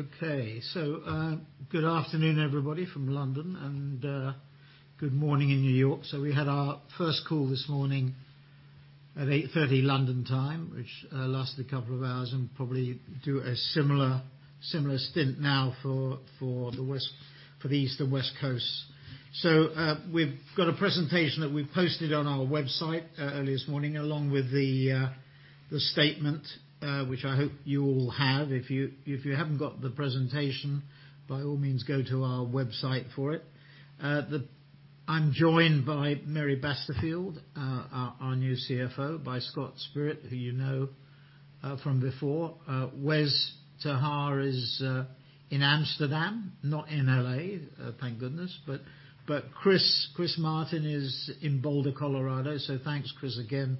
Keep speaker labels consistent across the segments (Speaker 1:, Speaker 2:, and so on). Speaker 1: Okay. Good afternoon, everybody from London, and good morning in New York. We had our first call this morning at 8:30 London time, which lasted a couple of hours, and probably do a similar stint now for the East and West Coasts. We've got a presentation that we posted on our website earlier this morning, along with the statement, which I hope you all have. If you haven't got the presentation, by all means, go to our website for it. I'm joined by Mary Basterfield, our new CFO, by Scott Spirit, who you know from before. Wes ter Haar is in Amsterdam, not in L.A., thank goodness. Chris Martin is in Boulder, Colorado. Thanks, Chris, again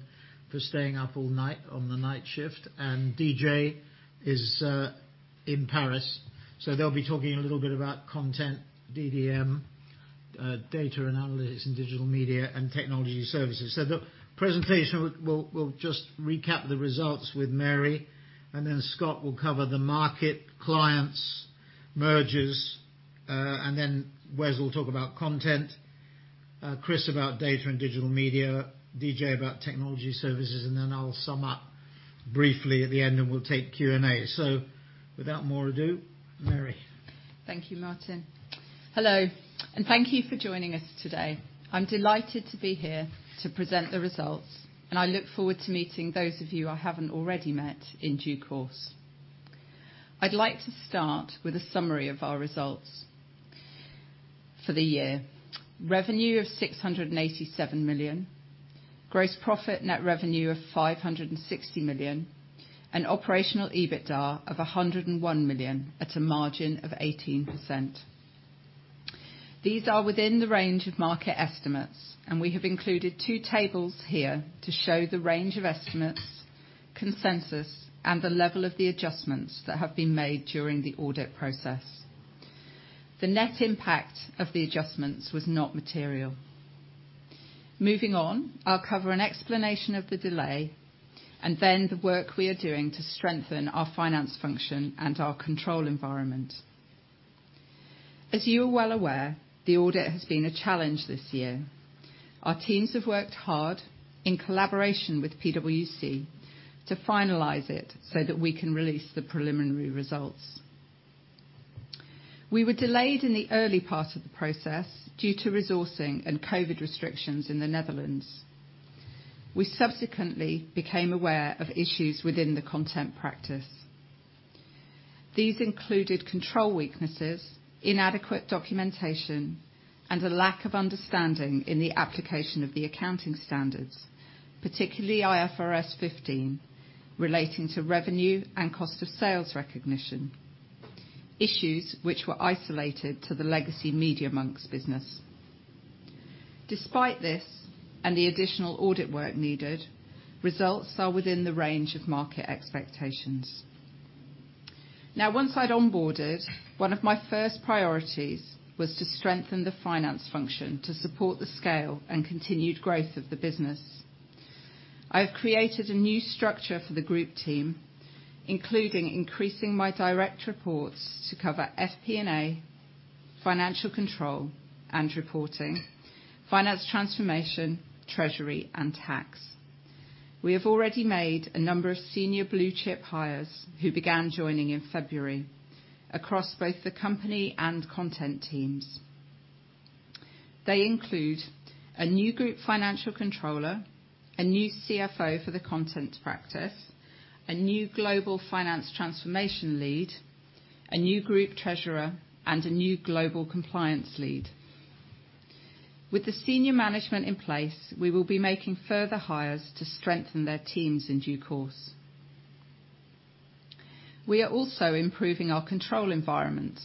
Speaker 1: for staying up all night on the night shift. DJ is in Paris. They'll be talking a little bit about content, DDM, Data and Analytics and Digital Media and Technology Services. The presentation, we'll just recap the results with Mary, and then Scott will cover the market, clients, mergers, and then Wes will talk about content, Chris about data and digital media, DJ about technology services, and then I'll sum up briefly at the end, and we'll take Q&A. Without further ado, Mary.
Speaker 2: Thank you, Martin. Hello, and thank you for joining us today. I'm delighted to be here to present the results, and I look forward to meeting those of you I haven't already met in due course. I'd like to start with a summary of our results for the year. Revenue of 687 million. Gross profit net revenue of 560 million. Operational EBITDA of 101 million at a margin of 18%. These are within the range of market estimates, and we have included two tables here to show the range of estimates, consensus, and the level of the adjustments that have been made during the audit process. The net impact of the adjustments was not material. Moving on, I'll cover an explanation of the delay and then the work we are doing to strengthen our finance function and our control environment. As you are well aware, the audit has been a challenge this year. Our teams have worked hard in collaboration with PwC to finalize it so that we can release the preliminary results. We were delayed in the early part of the process due to resourcing and COVID restrictions in the Netherlands. We subsequently became aware of issues within the content practice. These included control weaknesses, inadequate documentation, and a lack of understanding in the application of the accounting standards, particularly IFRS 15, relating to revenue and cost of sales recognition, issues which were isolated to the legacy Media.Monks business. Despite this, and the additional audit work needed, results are within the range of market expectations. Now, once I'd onboarded, one of my first priorities was to strengthen the finance function to support the scale and continued growth of the business. I have created a new structure for the group team, including increasing my direct reports to cover FP&A, financial control and reporting, finance transformation, treasury, and tax. We have already made a number of senior blue-chip hires who began joining in February across both the company and content teams. They include a new group financial controller, a new CFO for the content practice, a new global finance transformation lead, a new group treasurer, and a new global compliance lead. With the senior management in place, we will be making further hires to strengthen their teams in due course. We are also improving our control environment,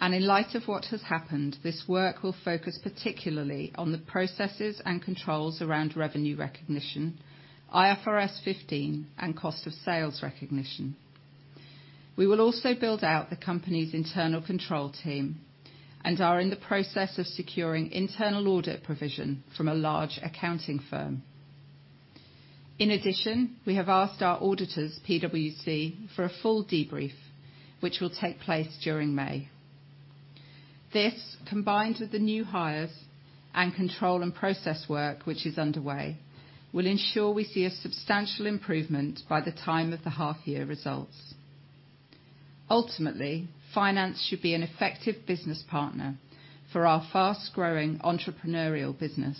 Speaker 2: and in light of what has happened, this work will focus particularly on the processes and controls around revenue recognition, IFRS 15, and cost of sales recognition. We will also build out the company's internal control team and are in the process of securing internal audit provision from a large accounting firm. In addition, we have asked our auditors, PwC, for a full debrief, which will take place during May. This, combined with the new hires and control and process work which is underway, will ensure we see a substantial improvement by the time of the half-year results. Ultimately, finance should be an effective business partner for our fast-growing entrepreneurial business,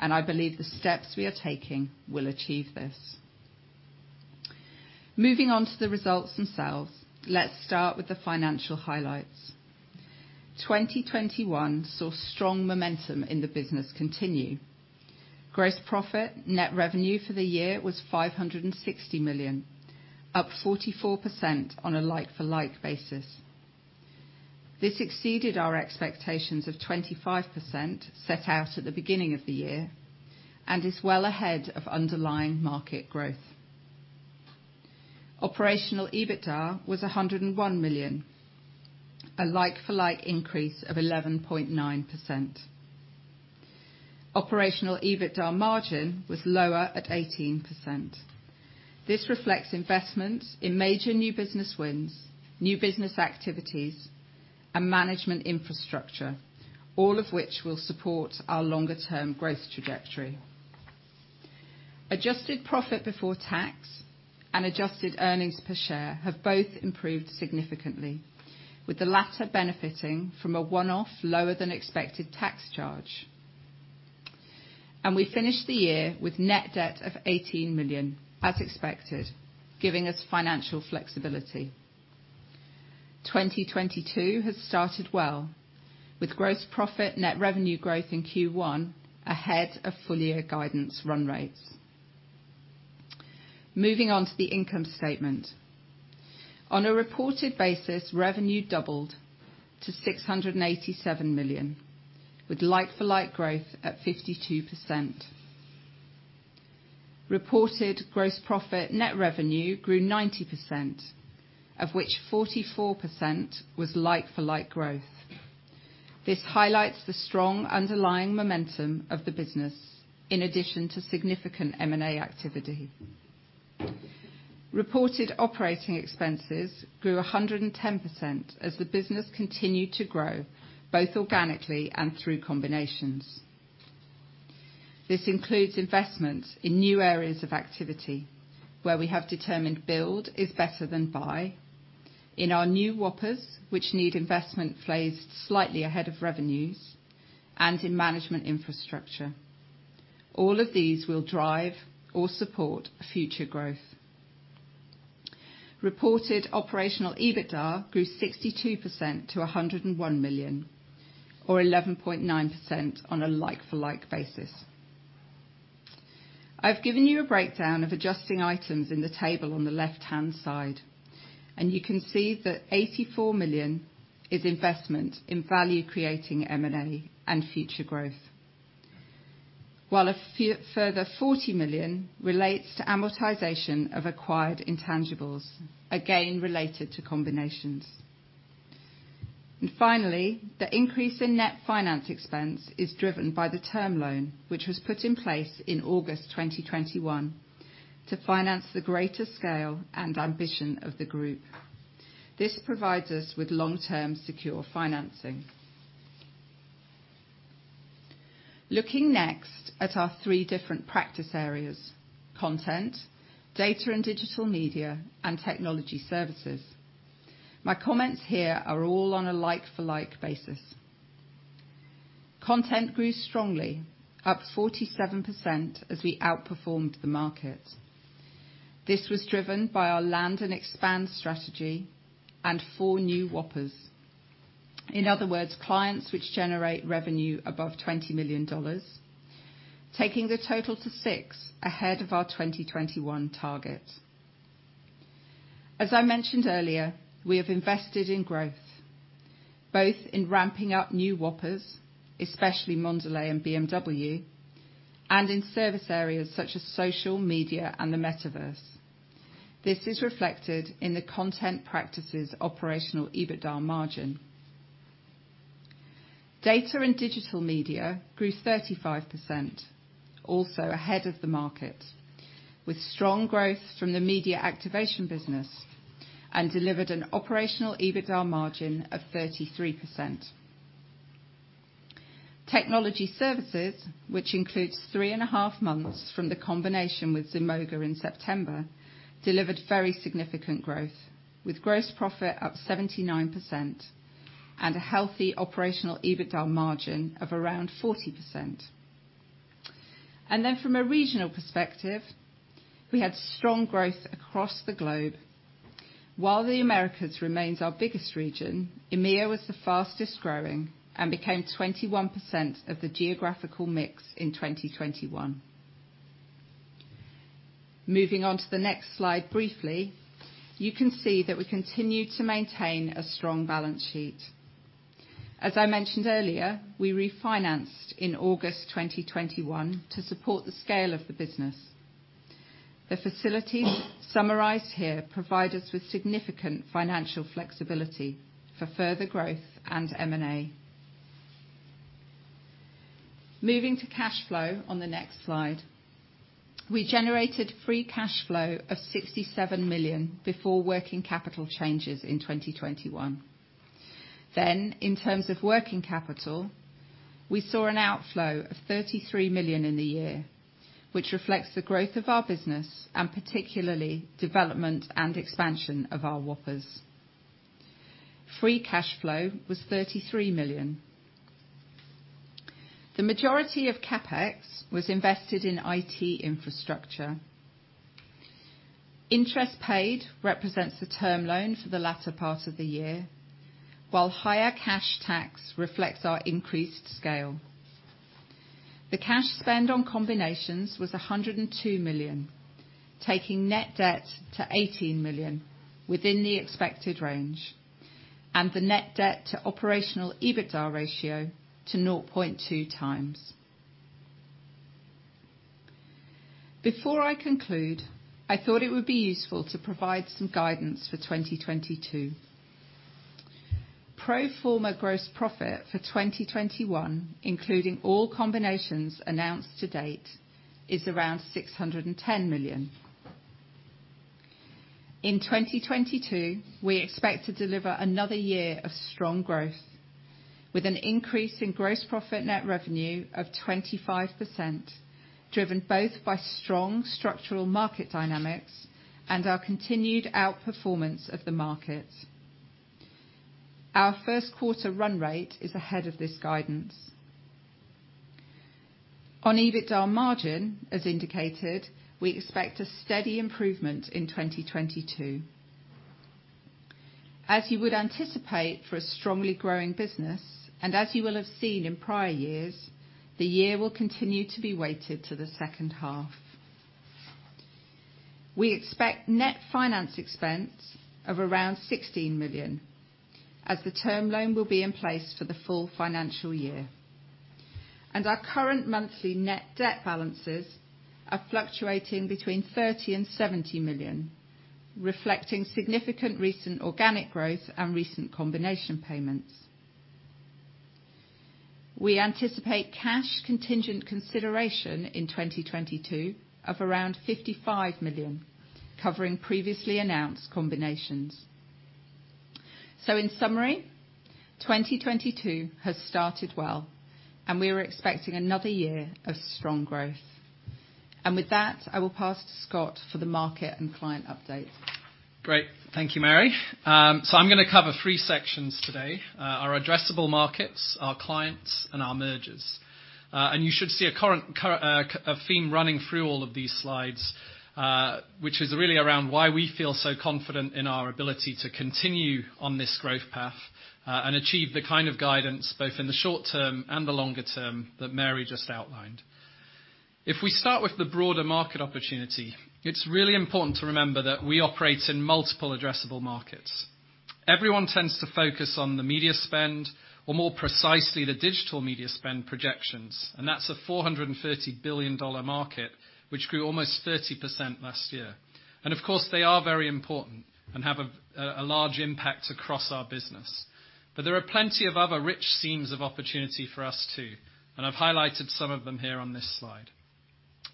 Speaker 2: and I believe the steps we are taking will achieve this. Moving on to the results themselves. Let's start with the financial highlights. 2021 saw strong momentum in the business continue. Gross profit net revenue for the year was 560 million, up 44% on a like-for-like basis. This exceeded our expectations of 25% set out at the beginning of the year and is well ahead of underlying market growth. Operational EBITDA was 101 million, a like-for-like increase of 11.9%. Operational EBITDA margin was lower at 18%. This reflects investments in major new business wins, new business activities, and management infrastructure, all of which will support our longer term growth trajectory. Adjusted profit before tax and adjusted earnings per share have both improved significantly, with the latter benefiting from a one-off lower than expected tax charge. We finished the year with net debt of 18 million as expected, giving us financial flexibility. 2022 has started well, with gross profit net revenue growth in Q1 ahead of full year guidance run rates. Moving on to the income statement. On a reported basis, revenue doubled to 687 million, with like-for-like growth at 52%. Reported gross profit net revenue grew 90%, of which 44% was like-for-like growth. This highlights the strong underlying momentum of the business in addition to significant M&A activity. Reported operating expenses grew 110% as the business continued to grow, both organically and through combinations. This includes investments in new areas of activity, where we have determined build is better than buy. In our new Whoppers, which need investment phased slightly ahead of revenues, and in management infrastructure. All of these will drive or support future growth. Reported operational EBITDA grew 62% to 101 million, or 11.9% on a like-for-like basis. I've given you a breakdown of adjusting items in the table on the left-hand side, and you can see that 84 million is investment in value creating M&A and future growth. Further 40 million relates to amortization of acquired intangibles, again related to combinations. Finally, the increase in net finance expense is driven by the term loan, which was put in place in August 2021 to finance the greater scale and ambition of the group. This provides us with long-term secure financing. Looking next at our three different practice areas: Content, Data and Digital Media, and Technology Services. My comments here are all on a like-for-like basis. Content grew strongly up 47% as we outperformed the market. This was driven by our land and expand strategy and four new Whoppers. In other words, clients which generate revenue above $20 million, taking the total to six ahead of our 2021 target. As I mentioned earlier, we have invested in growth, both in ramping up new Whoppers, especially Mondelēz and BMW, and in service areas such as social, media, and the metaverse. This is reflected in the content practice's operational EBITDA margin. Data and Digital Media grew 35%, also ahead of the market, with strong growth from the media activation business and delivered an operational EBITDA margin of 33%. Technology Services, which includes 3.5 months from the combination with Zemoga in September, delivered very significant growth, with gross profit up 79% and a healthy operational EBITDA margin of around 40%. From a regional perspective, we had strong growth across the globe. While the Americas remains our biggest region, EMEA was the fastest growing and became 21% of the geographical mix in 2021. Moving on to the next slide briefly, you can see that we continue to maintain a strong balance sheet. As I mentioned earlier, we refinanced in August 2021 to support the scale of the business. The facilities summarized here provide us with significant financial flexibility for further growth and M&A. Moving to cash flow on the next slide. We generated free cash flow of 67 million before working capital changes in 2021. In terms of working capital, we saw an outflow of 33 million in the year, which reflects the growth of our business and particularly development and expansion of our Whoppers. Free cash flow was 33 million. The majority of CapEx was invested in IT infrastructure. Interest paid represents the term loan for the latter part of the year, while higher cash tax reflects our increased scale. The cash spend on combinations was 102 million, taking net debt to 18 million within the expected range, and the net debt to operational EBITDA ratio to 0.2x. Before I conclude, I thought it would be useful to provide some guidance for 2022. Pro forma gross profit for 2021, including all combinations announced to date, is around 610 million. In 2022, we expect to deliver another year of strong growth with an increase in gross profit net revenue of 25%, driven both by strong structural market dynamics and our continued outperformance of the market. Our first quarter run rate is ahead of this guidance. On EBITDA margin, as indicated, we expect a steady improvement in 2022. As you would anticipate for a strongly growing business, and as you will have seen in prior years, the year will continue to be weighted to the second half. We expect net finance expense of around 16 million, as the term loan will be in place for the full financial year. Our current monthly net debt balances are fluctuating between 30 million and 70 million, reflecting significant recent organic growth and recent combination payments. We anticipate cash contingent consideration in 2022 of around 55 million, covering previously announced combinations. In summary, 2022 has started well, and we are expecting another year of strong growth. With that, I will pass to Scott for the market and client update.
Speaker 3: Great. Thank you, Mary. So I'm gonna cover three sections today. Our addressable markets, our clients, and our mergers. You should see a theme running through all of these slides, which is really around why we feel so confident in our ability to continue on this growth path, and achieve the kind of guidance, both in the short term and the longer term, that Mary just outlined. If we start with the broader market opportunity, it's really important to remember that we operate in multiple addressable markets. Everyone tends to focus on the media spend, or more precisely, the digital media spend projections, and that's a $430 billion market, which grew almost 30% last year. Of course, they are very important and have a large impact across our business. There are plenty of other rich seams of opportunity for us too, and I've highlighted some of them here on this slide.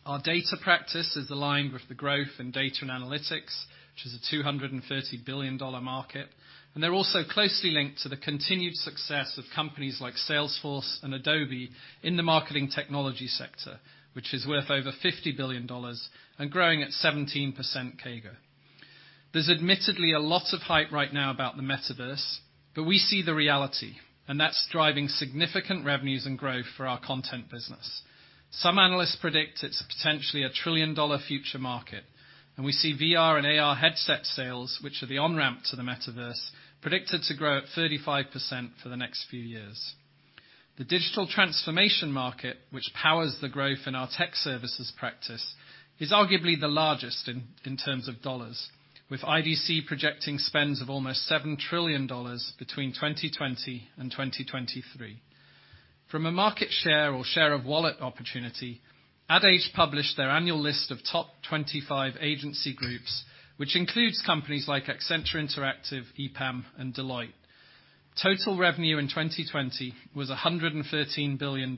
Speaker 3: Our data practice is aligned with the growth in data and analytics, which is a $230 billion market, and they're also closely linked to the continued success of companies like Salesforce and Adobe in the marketing technology sector, which is worth over $50 billion and growing at 17% CAGR. There's admittedly a lot of hype right now about the Metaverse, but we see the reality, and that's driving significant revenues and growth for our content business. Some analysts predict it's potentially a $1 trillion future market, and we see VR and AR headset sales, which are the on-ramp to the Metaverse, predicted to grow at 35% for the next few years. The digital transformation market, which powers the growth in our tech services practice, is arguably the largest in terms of dollars, with IDC projecting spends of almost $7 trillion between 2020 and 2023. From a market share or share of wallet opportunity, Ad Age published their annual list of top 25 agency groups, which includes companies like Accenture Interactive, EPAM, and Deloitte. Total revenue in 2020 was $113 billion.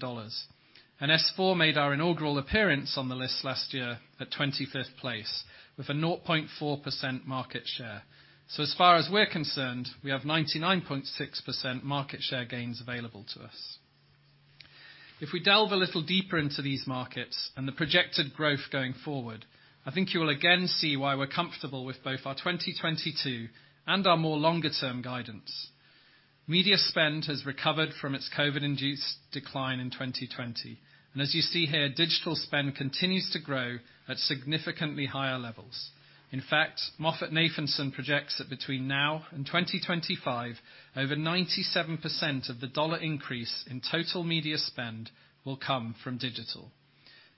Speaker 3: S4 made our inaugural appearance on the list last year at 25th place with a 0.4% market share. As far as we're concerned, we have 99.6% market share gains available to us. If we delve a little deeper into these markets and the projected growth going forward, I think you will again see why we're comfortable with both our 2022 and our more longer term guidance. Media spend has recovered from its COVID induced decline in 2020. As you see here, digital spend continues to grow at significantly higher levels. In fact, MoffettNathanson projects that between now and 2025, over 97% of the dollar increase in total media spend will come from digital.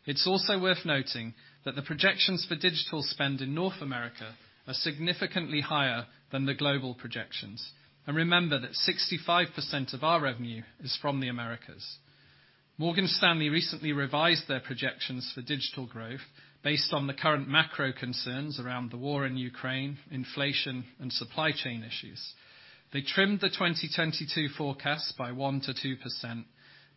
Speaker 3: It's also worth noting that the projections for digital spend in North America are significantly higher than the global projections. Remember that 65% of our revenue is from the Americas. Morgan Stanley recently revised their projections for digital growth based on the current macro concerns around the war in Ukraine, inflation, and supply chain issues. They trimmed the 2022 forecast by 1%-2%,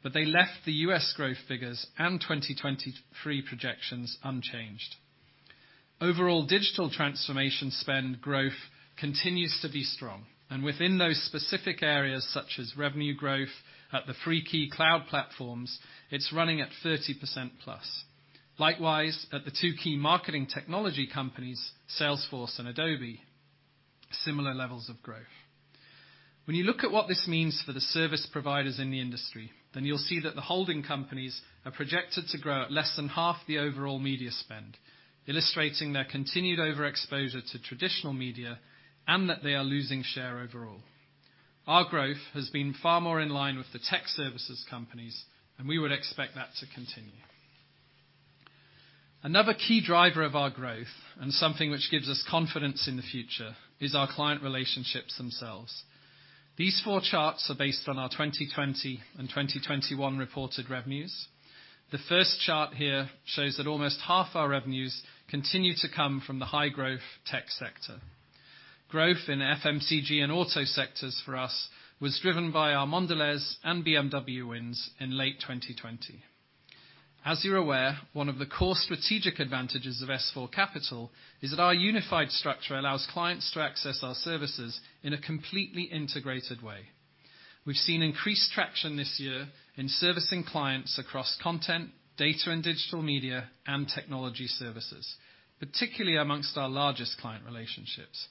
Speaker 3: but they left the US growth figures and 2023 projections unchanged. Overall digital transformation spend growth continues to be strong. Within those specific areas such as revenue growth at the three key cloud platforms, it's running at 30%+. Likewise, at the two key marketing technology companies, Salesforce and Adobe, similar levels of growth. When you look at what this means for the service providers in the industry, then you'll see that the holding companies are projected to grow at less than half the overall media spend, illustrating their continued overexposure to traditional media and that they are losing share overall. Our growth has been far more in line with the tech services companies, and we would expect that to continue. Another key driver of our growth, and something which gives us confidence in the future, is our client relationships themselves. These four charts are based on our 2020 and 2021 reported revenues. The first chart here shows that almost half our revenues continue to come from the high growth tech sector. Growth in FMCG and auto sectors for us was driven by our Mondelēz and BMW wins in late 2020. As you're aware, one of the core strategic advantages of S4 Capital is that our unified structure allows clients to access our services in a completely integrated way. We've seen increased traction this year in servicing clients across content, data and digital media and technology services, particularly amongst our largest client relationships.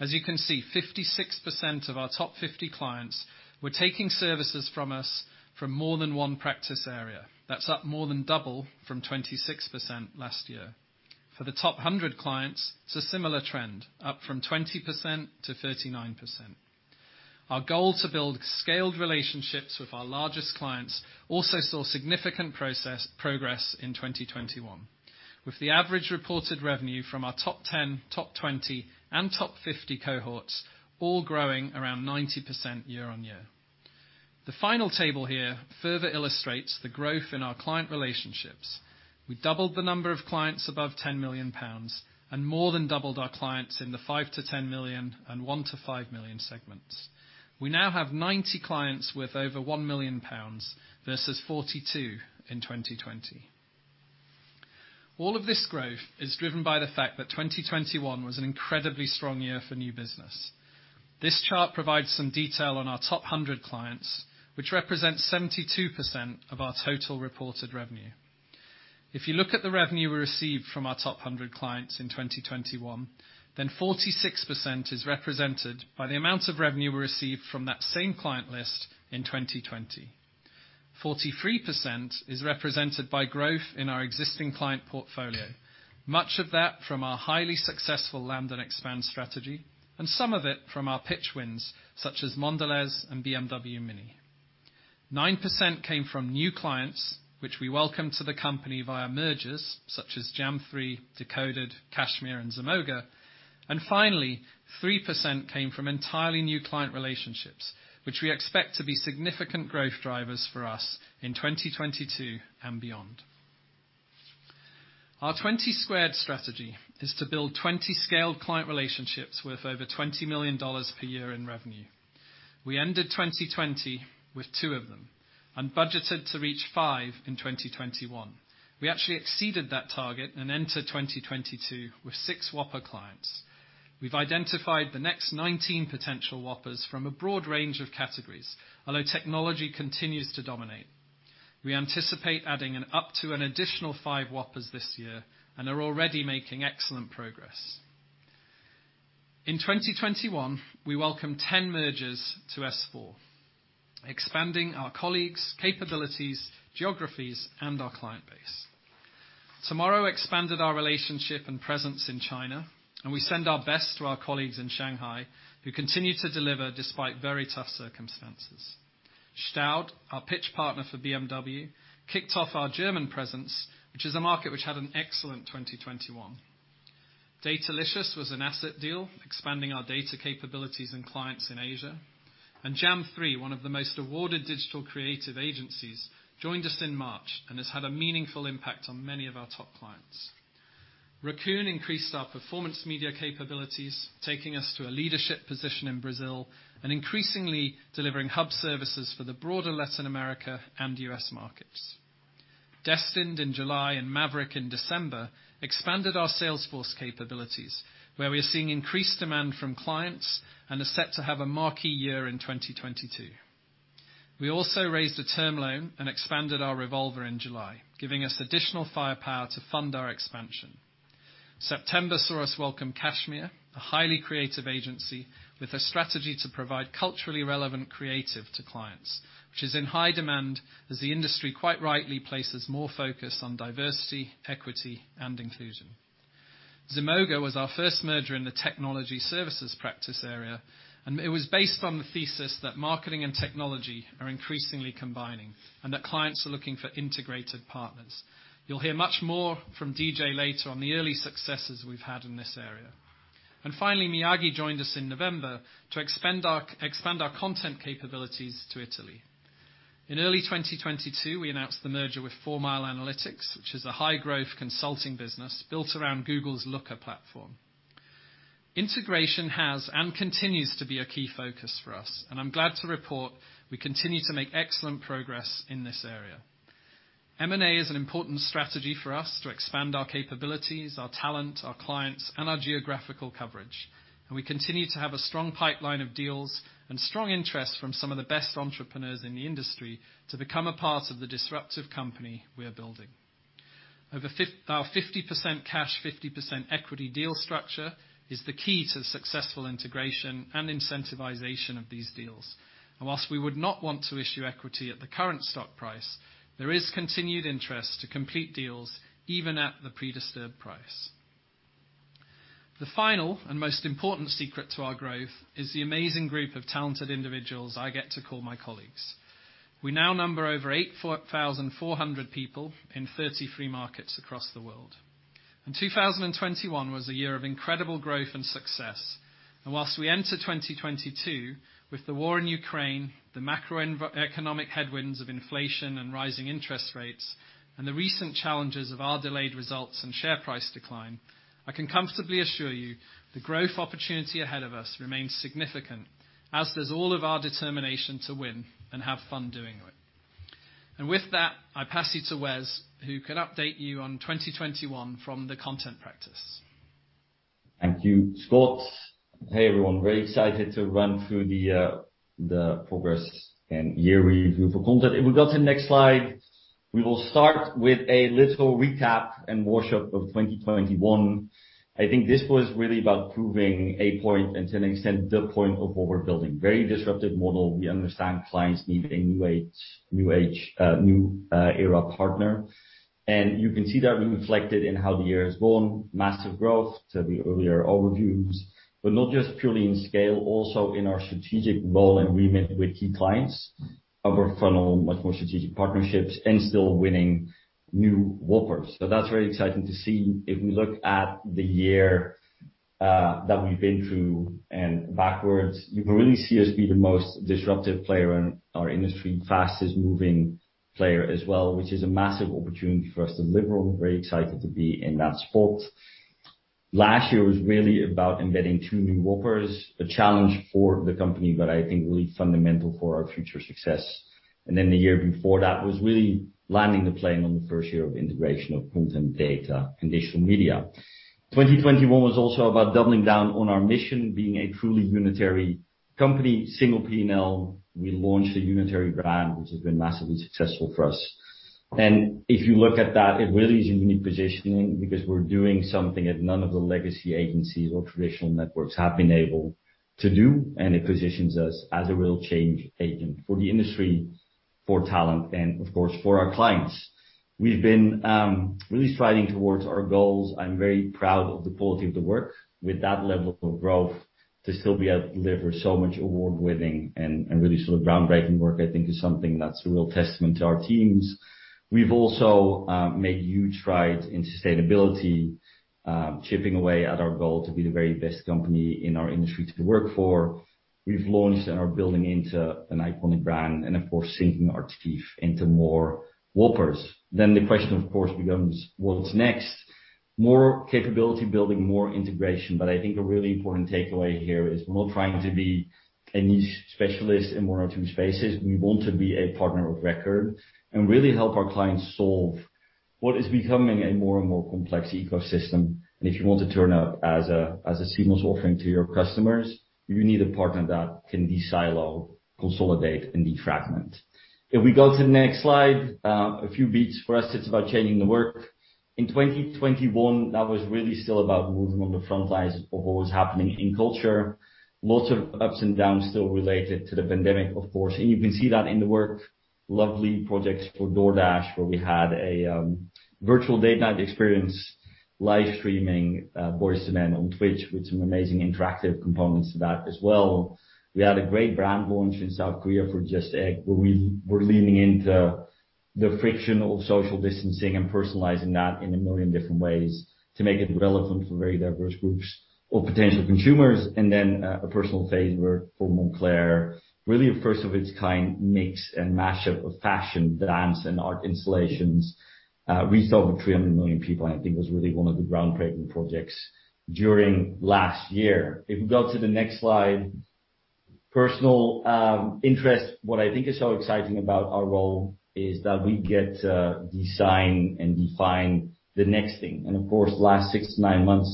Speaker 3: As you can see, 56% of our top 50 clients were taking services from us from more than one practice area. That's up more than double from 26% last year. For the top 100 clients, it's a similar trend, up from 20% to 39%. Our goal to build scaled relationships with our largest clients also saw significant process progress in 2021, with the average reported revenue from our top 10, top 20, and top 50 cohorts all growing around 90% year-on-year. The final table here further illustrates the growth in our client relationships. We doubled the number of clients above 10 million pounds and more than doubled our clients in the 5 million-10 million and 1 million-5 million segments. We now have 90 clients with over 1 million pounds versus 42 in 2020. All of this growth is driven by the fact that 2021 was an incredibly strong year for new business. This chart provides some detail on our top 100 clients, which represents 72% of our total reported revenue. If you look at the revenue we received from our top 100 clients in 2021, then 46% is represented by the amount of revenue we received from that same client list in 2020. 43% is represented by growth in our existing client portfolio, much of that from our highly successful land and expand strategy, and some of it from our pitch wins, such as Mondelēz and BMW Mini. 9% came from new clients, which we welcome to the company via mergers such as Jam3, Decoded, Cashmere and Zemoga. Finally, 3% came from entirely new client relationships, which we expect to be significant growth drivers for us in 2022 and beyond. Our 20² strategy is to build 20 scaled client relationships worth over $20 million per year in revenue. We ended 2020 with 2 of them and budgeted to reach 5 in 2021. We actually exceeded that target and entered 2022 with 6 Whopper clients. We've identified the next 19 potential Whoppers from a broad range of categories, although technology continues to dominate. We anticipate adding up to an additional 5 Whoppers this year and are already making excellent progress. In 2021, we welcomed 10 mergers to S4, expanding our colleagues, capabilities, geographies, and our client base. Tomorrow expanded our relationship and presence in China, and we send our best to our colleagues in Shanghai who continue to deliver despite very tough circumstances. STAUD STUDIOS, our pitch partner for BMW, kicked off our German presence, which is a market which had an excellent 2021. Datalicious was an asset deal, expanding our data capabilities and clients in Asia. Jam3, one of the most awarded digital creative agencies, joined us in March and has had a meaningful impact on many of our top clients. Raccoon increased our performance media capabilities, taking us to a leadership position in Brazil and increasingly delivering hub services for the broader Latin America and US markets. Destined in July and Maverick in December expanded our Salesforce capabilities, where we are seeing increased demand from clients and are set to have a marquee year in 2022. We also raised a term loan and expanded our revolver in July, giving us additional firepower to fund our expansion. September saw us welcome Cashmere, a highly creative agency with a strategy to provide culturally relevant creative to clients, which is in high demand as the industry quite rightly places more focus on diversity, equity, and inclusion. Zemoga was our first merger in the technology services practice area, and it was based on the thesis that marketing and technology are increasingly combining and that clients are looking for integrated partners. You'll hear much more from DJ later on the early successes we've had in this area. Finally, Miyagi joined us in November to expand our content capabilities to Italy. In early 2022, we announced the merger with Four Mile Analytics, which is a high-growth consulting business built around Google's Looker platform. Integration has and continues to be a key focus for us, and I'm glad to report we continue to make excellent progress in this area. M&A is an important strategy for us to expand our capabilities, our talent, our clients, and our geographical coverage. We continue to have a strong pipeline of deals and strong interest from some of the best entrepreneurs in the industry to become a part of the disruptive company we are building. Our 50% cash, 50% equity deal structure is the key to successful integration and incentivization of these deals. While we would not want to issue equity at the current stock price, there is continued interest to complete deals even at the pre-disturbed price. The final and most important secret to our growth is the amazing group of talented individuals I get to call my colleagues. We now number over 8,400 people in 33 markets across the world. 2021 was a year of incredible growth and success. While we enter 2022 with the war in Ukraine, the macroeconomic headwinds of inflation and rising interest rates, and the recent challenges of our delayed results and share price decline, I can comfortably assure you the growth opportunity ahead of us remains significant as does all of our determination to win and have fun doing it. With that, I pass you to Wes, who can update you on 2021 from the content practice.
Speaker 4: Thank you, Scott. Hey, everyone. Very excited to run through the progress and year review for content. If we go to the next slide, we will start with a little recap and worship of 2021. I think this was really about proving a point and to an extent, the point of what we're building. Very disruptive model. We understand clients need a new age era partner. You can see that reflected in how the year has gone. Massive growth to the earlier overviews, but not just purely in scale, also in our strategic role and remit with key clients. Upper funnel, much more strategic partnerships and still winning new Whoppers. That's very exciting to see. If we look at the year that we've been through and backwards, you can really see us be the most disruptive player in our industry, fastest moving player as well, which is a massive opportunity for us to deliver on. Very excited to be in that spot. Last year was really about embedding two new Whoppers, a challenge for the company, but I think really fundamental for our future success. Then the year before that was really landing the plane on the first year of integration of content, data and digital media. 2021 was also about doubling down on our mission, being a truly unitary company, single PNL. We launched a unitary brand, which has been massively successful for us. If you look at that, it really is a unique positioning because we're doing something that none of the legacy agencies or traditional networks have been able to do, and it positions us as a real change agent for the industry, for talent and of course, for our clients. We've been really striving towards our goals. I'm very proud of the quality of the work. With that level of growth, to still be able to deliver so much award-winning and really sort of groundbreaking work, I think is something that's a real testament to our teams. We've also made huge strides in sustainability, chipping away at our goal to be the very best company in our industry to work for. We've launched and are building into an iconic brand and of course, sinking our teeth into more Whoppers. The question, of course, becomes what's next? More capability building, more integration. I think a really important takeaway here is we're not trying to be a niche specialist in one or two spaces. We want to be a partner of record and really help our clients solve what is becoming a more and more complex ecosystem. If you want to turn up as a seamless offering to your customers, you need a partner that can de-silo, consolidate, and defragment. If we go to the next slide, a few beats for us, it's about changing the work. In 2021, that was really still about moving on the front lines of what was happening in culture. Lots of ups and downs still related to the pandemic, of course. You can see that in the work. Lovely projects for DoorDash, where we had a virtual date night experience, live streaming, Boris Man on Twitch with some amazing interactive components to that as well. We had a great brand launch in South Korea for JUST Egg, where we were leaning into the friction of social distancing and personalizing that in a million different ways to make it relevant for very diverse groups or potential consumers. A personal favorite for Moncler, really a first of its kind mix and mashup of fashion, dance and art installations. We saw over 300 million people, and I think was really one of the groundbreaking projects during last year. If we go to the next slide. Personal interest. What I think is so exciting about our role is that we get to design and define the next thing. Of course, last 6 to 9 months,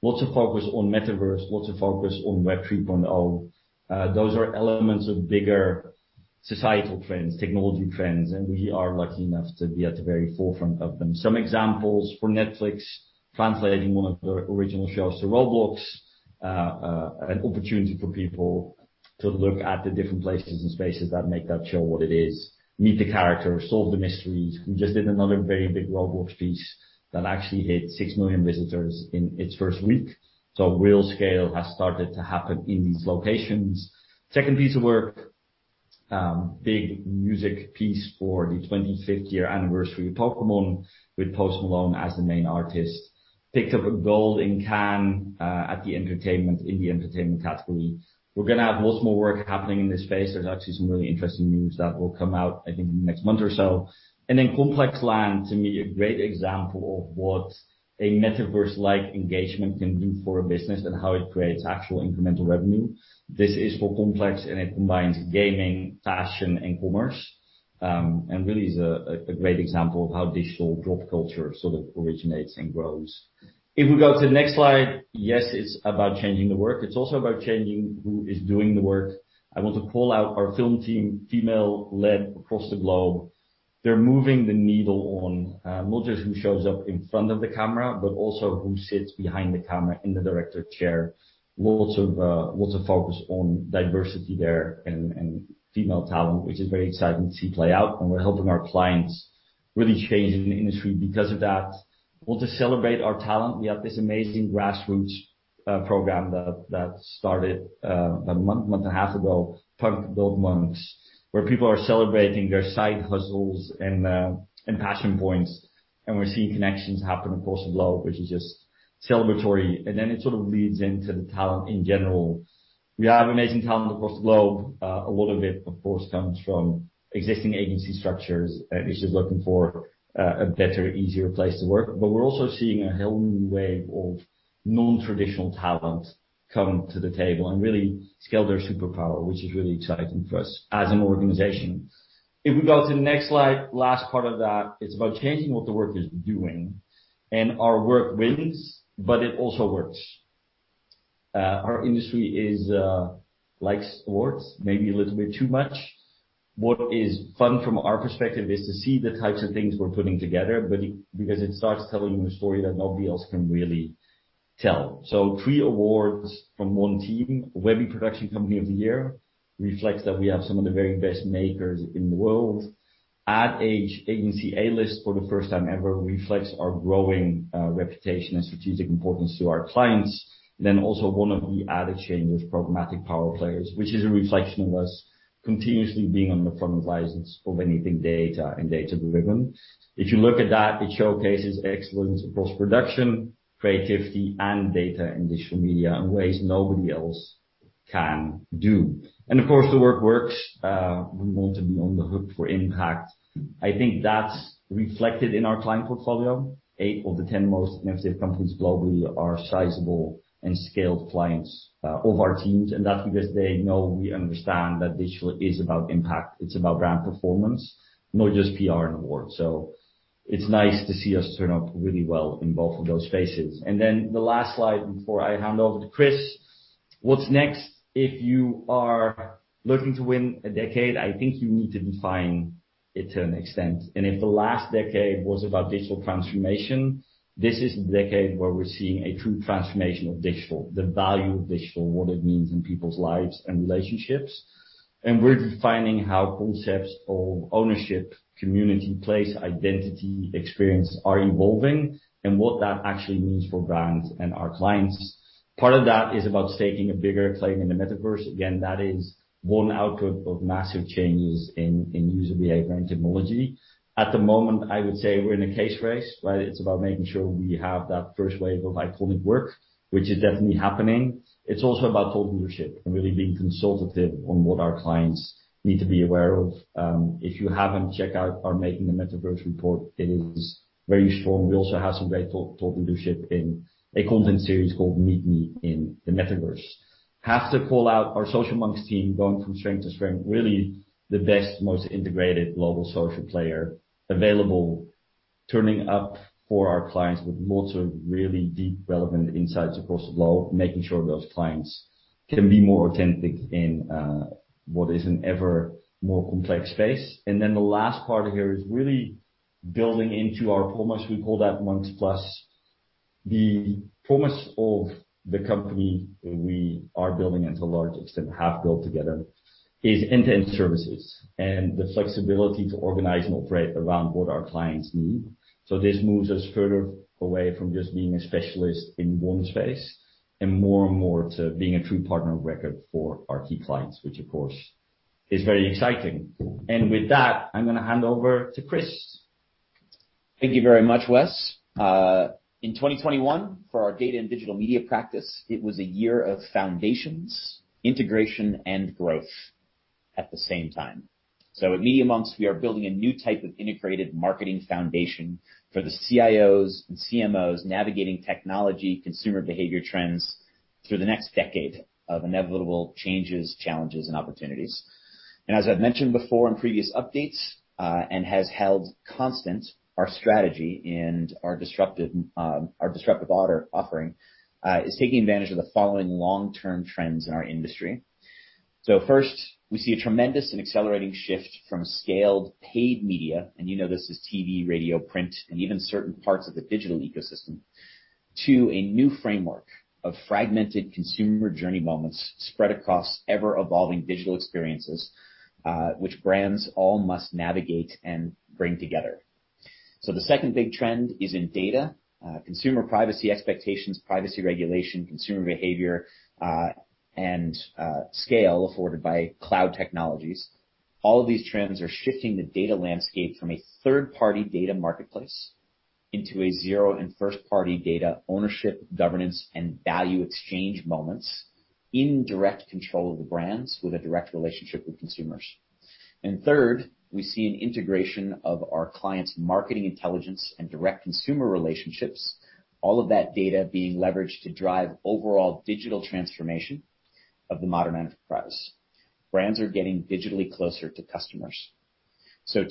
Speaker 4: lots of focus on Metaverse, lots of focus on Web 3.0. Those are elements of bigger societal trends, technology trends, and we are lucky enough to be at the very forefront of them. Some examples for Netflix, translating one of the original shows to Roblox, an opportunity for people to look at the different places and spaces that make that show what it is, meet the characters, solve the mysteries. We just did another very big Roblox piece that actually hit 6 million visitors in its first week. Real scale has started to happen in these locations. Second piece of work, big music piece for the 25th year anniversary of Pokémon with Post Malone as the main artist. Picked up a gold in Cannes in the entertainment category. We're gonna have lots more work happening in this space. There's actually some really interesting news that will come out, I think, in the next month or so. ComplexLand, to me, a great example of what a Metaverse-like engagement can do for a business and how it creates actual incremental revenue. This is for Complex, and it combines gaming, fashion, and commerce, and really is a great example of how digital drop culture sort of originates and grows. If we go to the next slide. Yes, it's about changing the work. It's also about changing who is doing the work. I want to call out our film team, female-led across the globe. They're moving the needle on not just who shows up in front of the camera, but also who sits behind the camera in the director chair. Lots of focus on diversity there and female talent, which is very exciting to see play out. We're helping our clients really change in the industry because of that. We'll just celebrate our talent. We have this amazing grassroots program that started a month and a half ago, called Build Monks, where people are celebrating their side hustles and passion points. We're seeing connections happen across the globe, which is just celebratory. Then it sort of leads into the talent in general. We have amazing talent across the globe. A lot of it of course comes from existing agency structures, which is looking for a better, easier place to work. We're also seeing a whole new wave of non-traditional talent come to the table and really scale their superpower, which is really exciting for us as an organization. If we go to the next slide, last part of that, it's about changing what the work is doing and our work wins, but it also works. Our industry likes awards maybe a little bit too much. What is fun from our perspective is to see the types of things we're putting together, but because it starts telling a story that nobody else can really tell. Three awards from one team, Webby Production Company of the Year, reflects that we have some of the very best makers in the world. Ad Age Agency A-List for the first time ever reflects our growing reputation and strategic importance to our clients. Also one of the Ad Age A-List, Programmatic Power Players, which is a reflection of us continuously being on the front lines of anything data and data-driven. If you look at that, it showcases excellence across production, creativity, and Data & Digital Media in ways nobody else can do. Of course, the work works. We want to be on the hook for impact. I think that's reflected in our client portfolio. Eight of the ten most innovative companies globally are sizable and scaled clients of our teams. That's because they know we understand that digital is about impact. It's about brand performance, not just PR and awards. It's nice to see us turn up really well in both of those spaces. The last slide before I hand over to Chris, what's next? If you are looking to win a decade, I think you need to define it to an extent. If the last decade was about digital transformation, this is the decade where we're seeing a true transformation of digital, the value of digital, what it means in people's lives and relationships. We're defining how concepts of ownership, community, place, identity, experience are evolving and what that actually means for brands and our clients. Part of that is about staking a bigger claim in the Metaverse. Again, that is one output of massive changes in user behavior and technology. At the moment, I would say we're in a space race, right? It's about making sure we have that first wave of iconic work, which is definitely happening. It's also about thought leadership and really being consultative on what our clients need to be aware of. If you haven't checked out our Making the Metaverse report, it is very strong. We also have some great thought leadership in a content series called Meet Me in the Metaverse. Have to call out our Social Monks team going from strength to strength, really the best, most integrated global social player available, turning up for our clients with lots of really deep, relevant insights across the globe, making sure those clients can be more authentic in what is an ever more complex space. Then the last part here is really building into our promise. We call that Monks+. The promise of the company we are building and to a large extent, have built together is end-to-end services and the flexibility to organize and operate around what our clients need. This moves us further away from just being a specialist in one space and more and more to being a true partner of record for our key clients, which of course is very exciting. With that, I'm gonna hand over to Chris.
Speaker 5: Thank you very much, Wes. In 2021, for our Data & Digital Media practice, it was a year of foundations, integration, and growth at the same time. At Media.Monks, we are building a new type of integrated marketing foundation for the CIOs and CMOs navigating technological consumer behavior trends through the next decade of inevitable changes, challenges, and opportunities. As I've mentioned before in previous updates, which has held constant, our strategy and our disruptive OTT offering is taking advantage of the following long-term trends in our industry. First, we see a tremendous and accelerating shift from a scaled paid media, and you know this as TV, radio, print, and even certain parts of the digital ecosystem, to a new framework of fragmented consumer journey moments spread across ever-evolving digital experiences, which brands all must navigate and bring together. The second big trend is in data, consumer privacy expectations, privacy regulation, consumer behavior, and scale afforded by cloud technologies. All of these trends are shifting the data landscape from a third-party data marketplace into a zero and first-party data ownership, governance, and value exchange moments in direct control of the brands with a direct relationship with consumers. Third, we see an integration of our clients' marketing intelligence and direct consumer relationships, all of that data being leveraged to drive overall digital transformation of the modern enterprise. Brands are getting digitally closer to customers.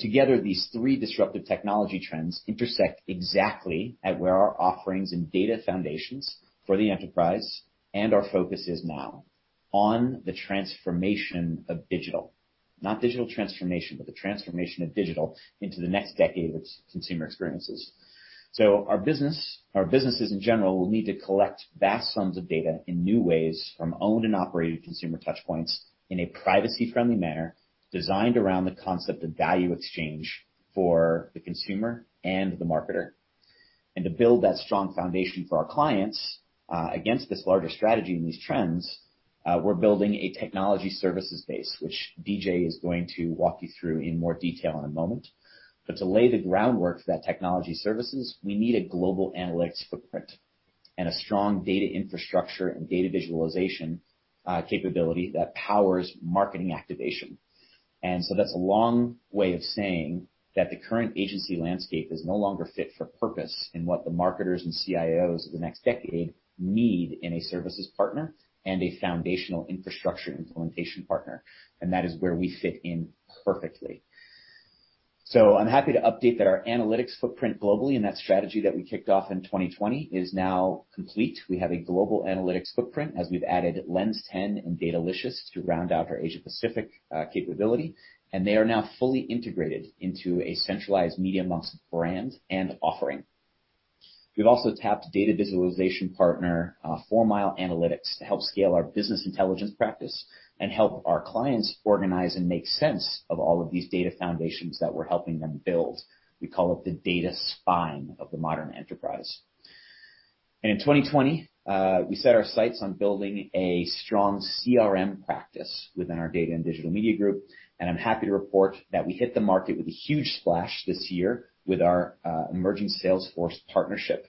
Speaker 5: Together, these three disruptive technology trends intersect exactly at where our offerings and data foundations for the enterprise and our focus is now on the transformation of digital. Not digital transformation, but the transformation of digital into the next decade of consumer experiences. Our business, or businesses in general, will need to collect vast sums of data in new ways from owned and operated consumer touch points in a privacy-friendly manner designed around the concept of value exchange for the consumer and the marketer. To build that strong foundation for our clients, against this larger strategy and these trends, we're building a Technology Services base, which DJ is going to walk you through in more detail in a moment. To lay the groundwork for that Technology Services, we need a global analytics footprint and a strong data infrastructure and data visualization capability that powers marketing activation. That is a long way of saying that the current agency landscape is no longer fit for purpose in what the marketers and CIOs of the next decade need in a services partner and a foundational infrastructure implementation partner. That is where we fit in perfectly. I'm happy to update that our analytics footprint globally, and that strategy that we kicked off in 2020 is now complete. We have a global analytics footprint as we've added lens10 and Datalicious to round out our Asia-Pacific capability, and they are now fully integrated into a centralized Media.Monks brand and offering. We've also tapped data visualization partner, Four Mile Analytics to help scale our business intelligence practice and help our clients organize and make sense of all of these data foundations that we're helping them build. We call it the data spine of the modern enterprise. In 2020, we set our sights on building a strong CRM practice within our data and digital media group, and I'm happy to report that we hit the market with a huge splash this year with our, emerging Salesforce partnership.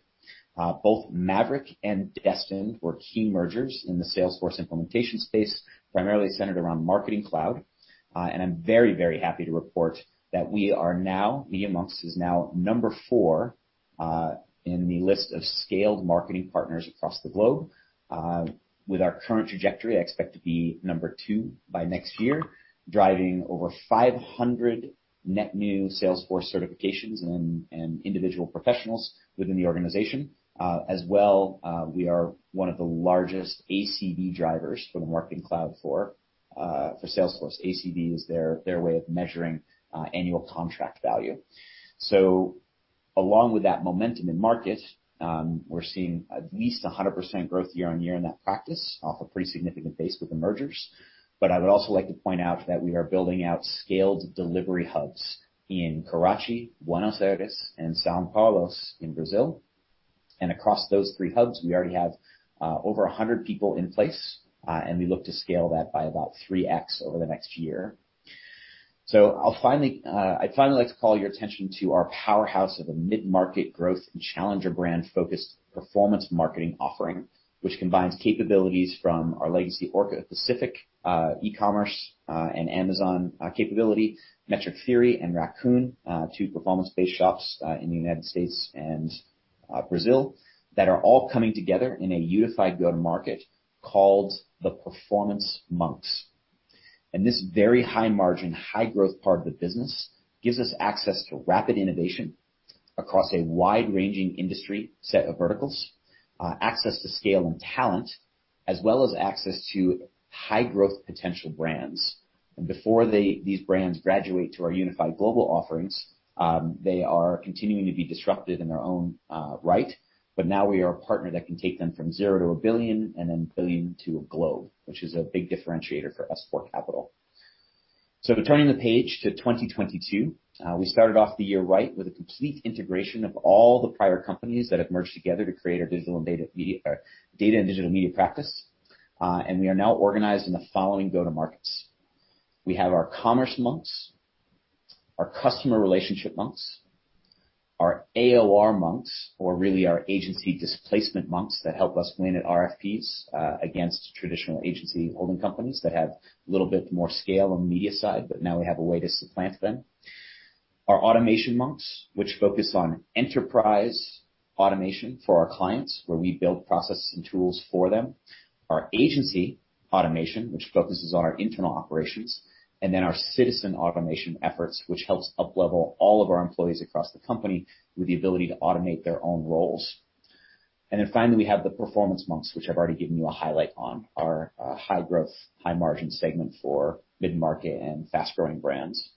Speaker 5: Both Maverick Digital and Destined were key mergers in the Salesforce implementation space, primarily centered around Marketing Cloud. And I'm very happy to report that we are now, Media.Monks is now number 4, in the list of scaled marketing partners across the globe. With our current trajectory, I expect to be number two by next year, driving over 500 net new Salesforce certifications and individual professionals within the organization. As well, we are one of the largest ACV drivers for the Marketing Cloud for Salesforce. ACV is their way of measuring annual contract value. Along with that momentum in market, we're seeing at least 100% growth year-on-year in that practice off a pretty significant base with the mergers. I would also like to point out that we are building out scaled delivery hubs in Karachi, Buenos Aires, and São Carlos in Brazil. Across those three hubs, we already have over 100 people in place, and we look to scale that by about 3x over the next year. I'd like to call your attention to our powerhouse of a mid-market growth and challenger brand-focused performance marketing offering, which combines capabilities from our legacy Orca Pacific, e-commerce, and Amazon capability, Metric Theory and Raccoon, two performance-based shops, in the United States and Brazil, that are all coming together in a unified go-to-market called the Performance Monks. This very high margin, high growth part of the business gives us access to rapid innovation across a wide-ranging industry set of verticals, access to scale and talent, as well as access to high growth potential brands. Before they, these brands graduate to our unified global offerings, they are continuing to be disruptive in their own right. Now we are a partner that can take them from zero to a billion and then billion to global, which is a big differentiator for S4 Capital. Turning the page to 2022, we started off the year right with a complete integration of all the prior companies that have merged together to create a data and digital media practice. We are now organized in the following go-to markets. We have our Commerce Monks, our Customer Relationship Monks, our AOR Monks, or really our Agency Displacement Monks that help us win at RFPs against traditional agency holding companies that have a little bit more scale on the media side, but now we have a way to supplant them. Our Automation Monks, which focus on enterprise automation for our clients, where we build processes and tools for them. Our Agency Automation, which focuses on our internal operations, and then our Citizen Automation efforts, which helps up-level all of our employees across the company with the ability to automate their own roles. Then finally, we have the Performance Monks, which I've already given you a highlight on our high growth, high margin segment for mid-market and fast-growing brands.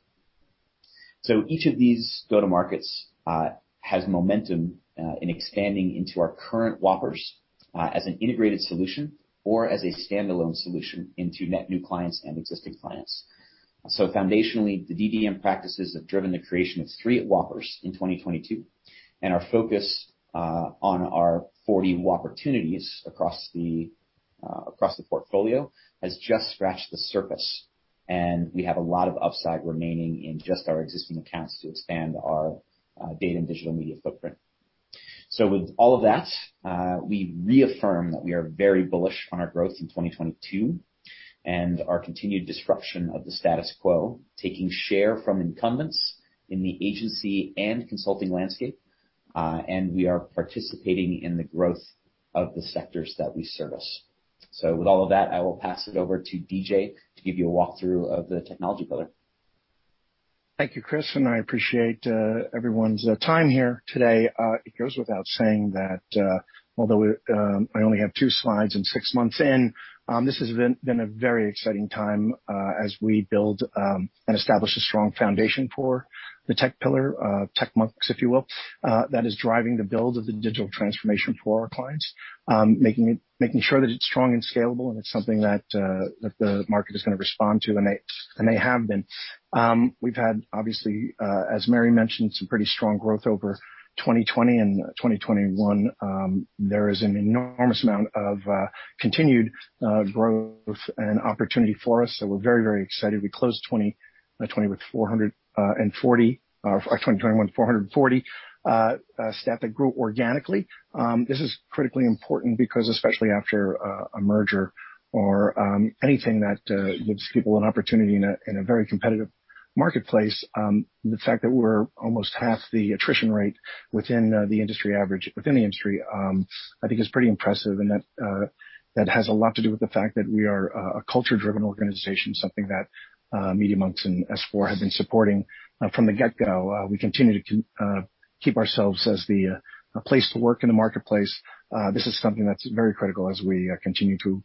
Speaker 5: Each of these go-to markets has momentum in expanding into our current Whoppers as an integrated solution or as a standalone solution into net new clients and existing clients. Foundationally, the DDM practices have driven the creation of 3 Whoppers in 2022, and our focus on our 40+ opportunities across the portfolio has just scratched the surface. We have a lot of upside remaining in just our existing accounts to expand our Data & Digital Media footprint. With all of that, we reaffirm that we are very bullish on our growth in 2022 and our continued disruption of the status quo, taking share from incumbents in the agency and consulting landscape. We are participating in the growth of the sectors that we service. With all of that, I will pass it over to DJ to give you a walkthrough of the technology pillar.
Speaker 6: Thank you, Chris, and I appreciate everyone's time here today. It goes without saying that although I only have two slides and six months in, this has been a very exciting time as we build and establish a strong foundation for the tech pillar, Tech Monks, if you will, that is driving the build of the digital transformation for our clients, making it, making sure that it's strong and scalable, and it's something that the market is gonna respond to, and they have been. We've had, obviously, as Mary mentioned, some pretty strong growth over 2020 and 2021. There is an enormous amount of continued growth and opportunity for us, so we're very, very excited. We closed 2020 with 440, or 2021 440 staff that grew organically. This is critically important because especially after a merger or anything that gives people an opportunity in a very competitive marketplace, the fact that we're almost half the attrition rate within the industry average, I think is pretty impressive, and that has a lot to do with the fact that we are a culture-driven organization, something that Media.Monks and S4 have been supporting from the get-go. We continue to keep ourselves as a place to work in the marketplace. This is something that's very critical as we continue to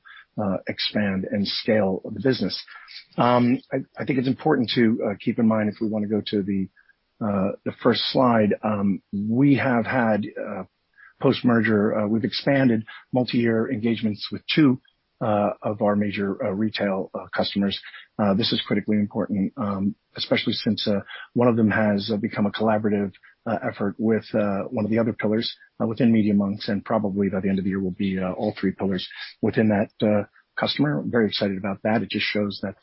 Speaker 6: expand and scale the business. I think it's important to keep in mind if we wanna go to the first slide. We've expanded multiyear engagements with two of our major retail customers. This is critically important, especially since one of them has become a collaborative effort with one of the other pillars within Media.Monks, and probably by the end of the year will be all three pillars within that customer. Very excited about that. It just shows that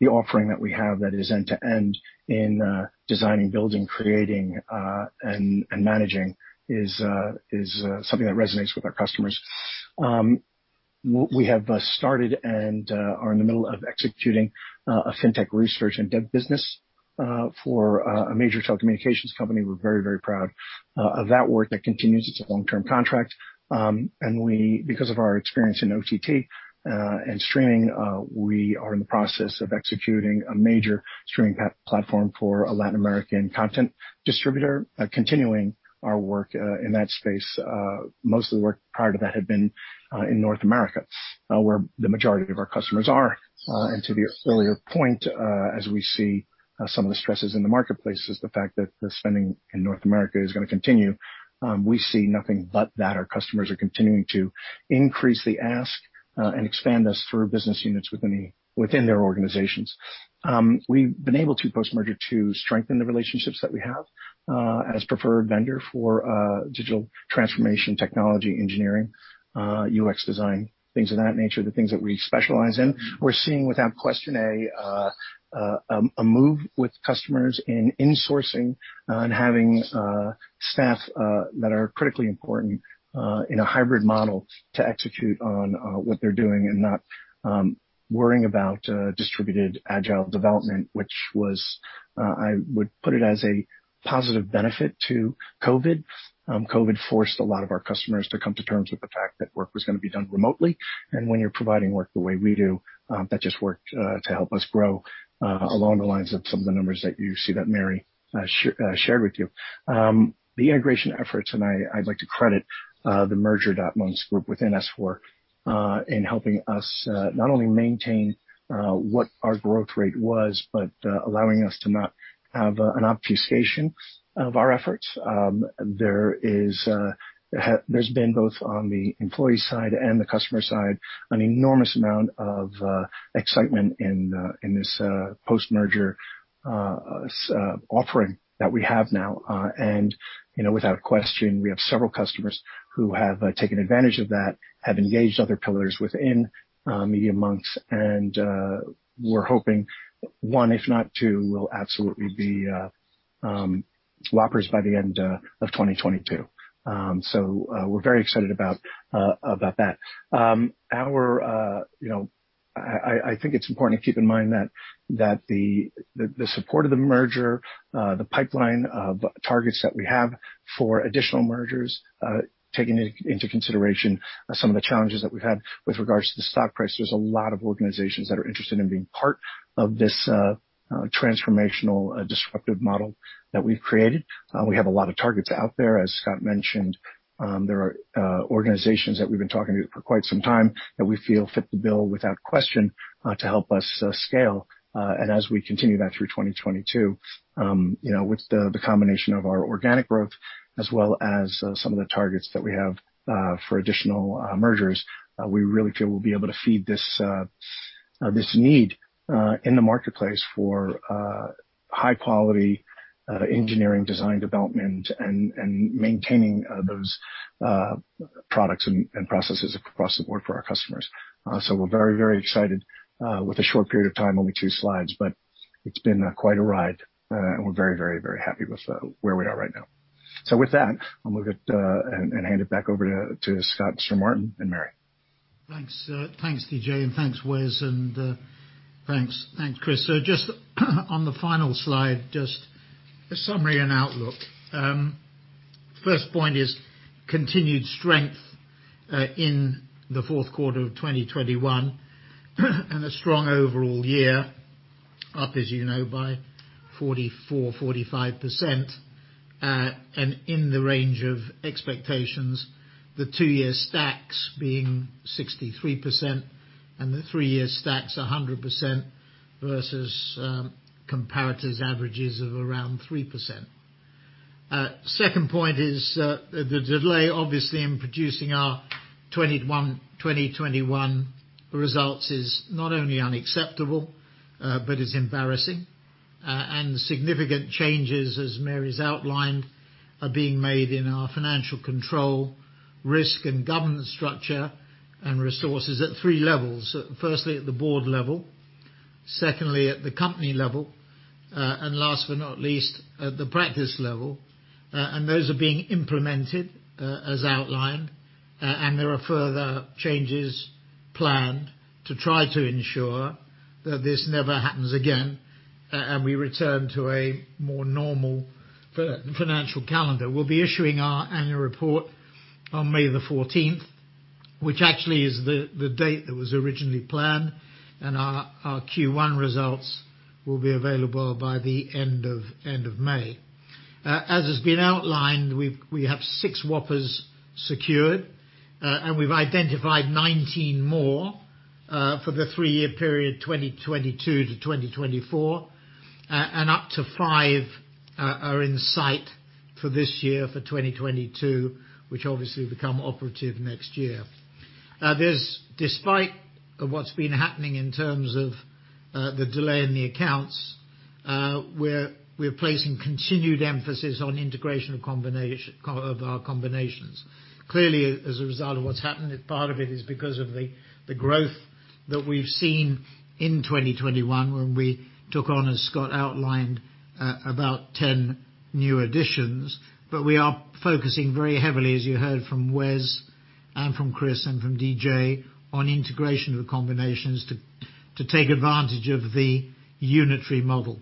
Speaker 6: the offering that we have that is end-to-end in designing, building, creating, and managing is something that resonates with our customers. We have started and are in the middle of executing a fintech R&D business for a major telecommunications company. We're very proud of that work that continues. It's a long-term contract. Because of our experience in OTT and streaming, we are in the process of executing a major streaming platform for a Latin American content distributor, continuing our work in that space. Most of the work prior to that had been in North America, where the majority of our customers are. To the earlier point, as we see some of the stresses in the marketplace is the fact that the spending in North America is gonna continue. We see nothing but that our customers are continuing to increase the ask, and expand us for business units within their organizations. We've been able to post-merger to strengthen the relationships that we have, as preferred vendor for, digital transformation technology, engineering, UX design, things of that nature, the things that we specialize in. We're seeing, without question, a move with customers in insourcing and having, staff, that are critically important, in a hybrid model to execute on, what they're doing and not, worrying about, distributed agile development, which was, I would put it as a positive benefit to COVID. COVID forced a lot of our customers to come to terms with the fact that work was gonna be done remotely. When you're providing work the way we do, that just worked to help us grow along the lines of some of the numbers that you see that Mary shared with you. The integration efforts, and I'd like to credit the Media.Monks group within S4 in helping us not only maintain what our growth rate was, but allowing us to not have an obfuscation of our efforts. There's been both on the employee side and the customer side, an enormous amount of excitement in this post-merger offering that we have now. You know, without question, we have several customers who have taken advantage of that, have engaged other pillars within Media.Monks. We're hoping one, if not two, will absolutely be whoppers by the end of 2022. We're very excited about that. You know, I think it's important to keep in mind that the support of the merger, the pipeline of targets that we have for additional mergers, taking into consideration some of the challenges that we've had with regards to the stock price. There's a lot of organizations that are interested in being part of this transformational disruptive model that we've created. We have a lot of targets out there, as Scott mentioned. There are organizations that we've been talking to for quite some time that we feel fit the bill without question to help us scale. As we continue that through 2022, you know, with the combination of our organic growth as well as some of the targets that we have for additional mergers, we really feel we'll be able to feed this need in the marketplace for high quality engineering, design, development, and maintaining those products and processes across the board for our customers. We're very excited in a short period of time, only 2 slides, but it's been quite a ride. We're very happy with where we are right now. With that, I'll hand it back over to Scott, Sir Martin, and Mary.
Speaker 1: Thanks, DJ, and thanks, Wes. Thanks, Chris. Just on the final slide, just a summary and outlook. First point is continued strength in the fourth quarter of 2021, and a strong overall year up, as you know, by 44%-45%, and in the range of expectations, the two-year stacks being 63% and the three-year stacks 100% versus comparators averages of around 3%. Second point is the delay obviously in producing our 2021 results is not only unacceptable, but is embarrassing. Significant changes, as Mary's outlined, are being made in our financial control, risk and governance structure and resources at three levels. Firstly, at the board level, secondly at the company level, and last but not least, at the practice level. Those are being implemented as outlined. There are further changes planned to try to ensure that this never happens again and we return to a more normal financial calendar. We'll be issuing our annual report on May 14, which actually is the date that was originally planned, and our Q1 results will be available by the end of May. As has been outlined, we have 6 Whoppers secured, and we've identified 19 more for the three-year period, 2022 to 2024. Up to 5 are in sight for this year for 2022, which obviously become operative next year. Despite what's been happening in terms of the delay in the accounts, we're placing continued emphasis on integration of our combinations. Clearly, as a result of what's happened, part of it is because of the growth that we've seen in 2021 when we took on, as Scott outlined, about 10 new additions. We are focusing very heavily, as you heard from Wes and from Chris and from DJ, on integration of combinations to take advantage of the unitary model.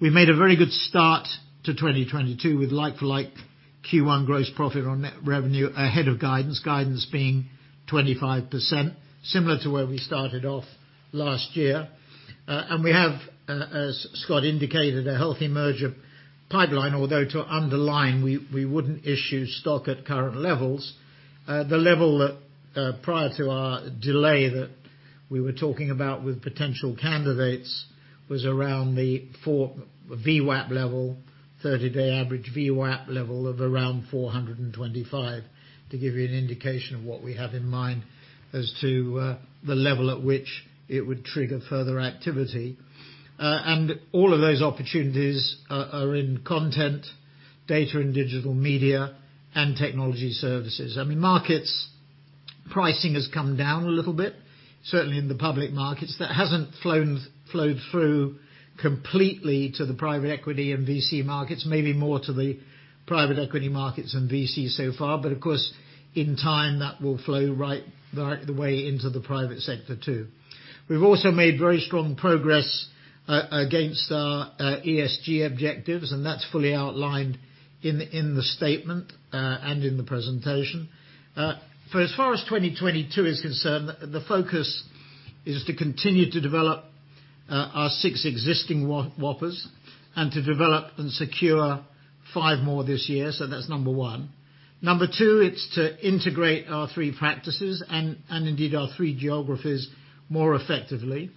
Speaker 1: We made a very good start to 2022 with like-for-like Q1 gross profit on net revenue ahead of guidance being 25%, similar to where we started off last year. We have, as Scott indicated, a healthy merger pipeline, although to underline, we wouldn't issue stock at current levels. The level that prior to our delay that we were talking about with potential candidates was around the 400 VWAP level, 30-day average VWAP level of around 425, to give you an indication of what we have in mind as to the level at which it would trigger further activity. All of those opportunities are in content, Data & Digital Media, and Technology Services. I mean, market pricing has come down a little bit, certainly in the public markets. That hasn't flowed through completely to the private equity and VC markets, maybe more to the private equity markets and VC so far, but of course, in time, that will flow right the way into the private sector too. We've also made very strong progress against our ESG objectives, and that's fully outlined in the statement and in the presentation. For as far as 2022 is concerned, the focus is to continue to develop our six existing Whoppers and to develop and secure five more this year. That's number one. Number two, it's to integrate our three practices and indeed our three geographies more effectively.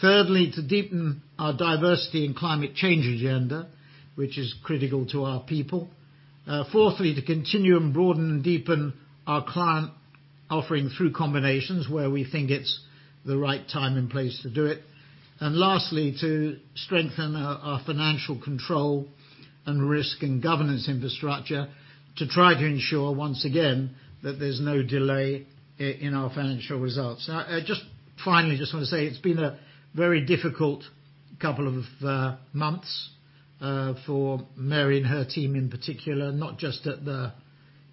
Speaker 1: Thirdly, to deepen our diversity and climate change agenda, which is critical to our people. Fourthly, to continue and broaden and deepen our client offering through combinations where we think it's the right time and place to do it. Lastly, to strengthen our financial control and risk and governance infrastructure to try to ensure, once again, that there's no delay in our financial results. Now just finally, just wanna say it's been a very difficult couple of months for Mary and her team in particular, not just at the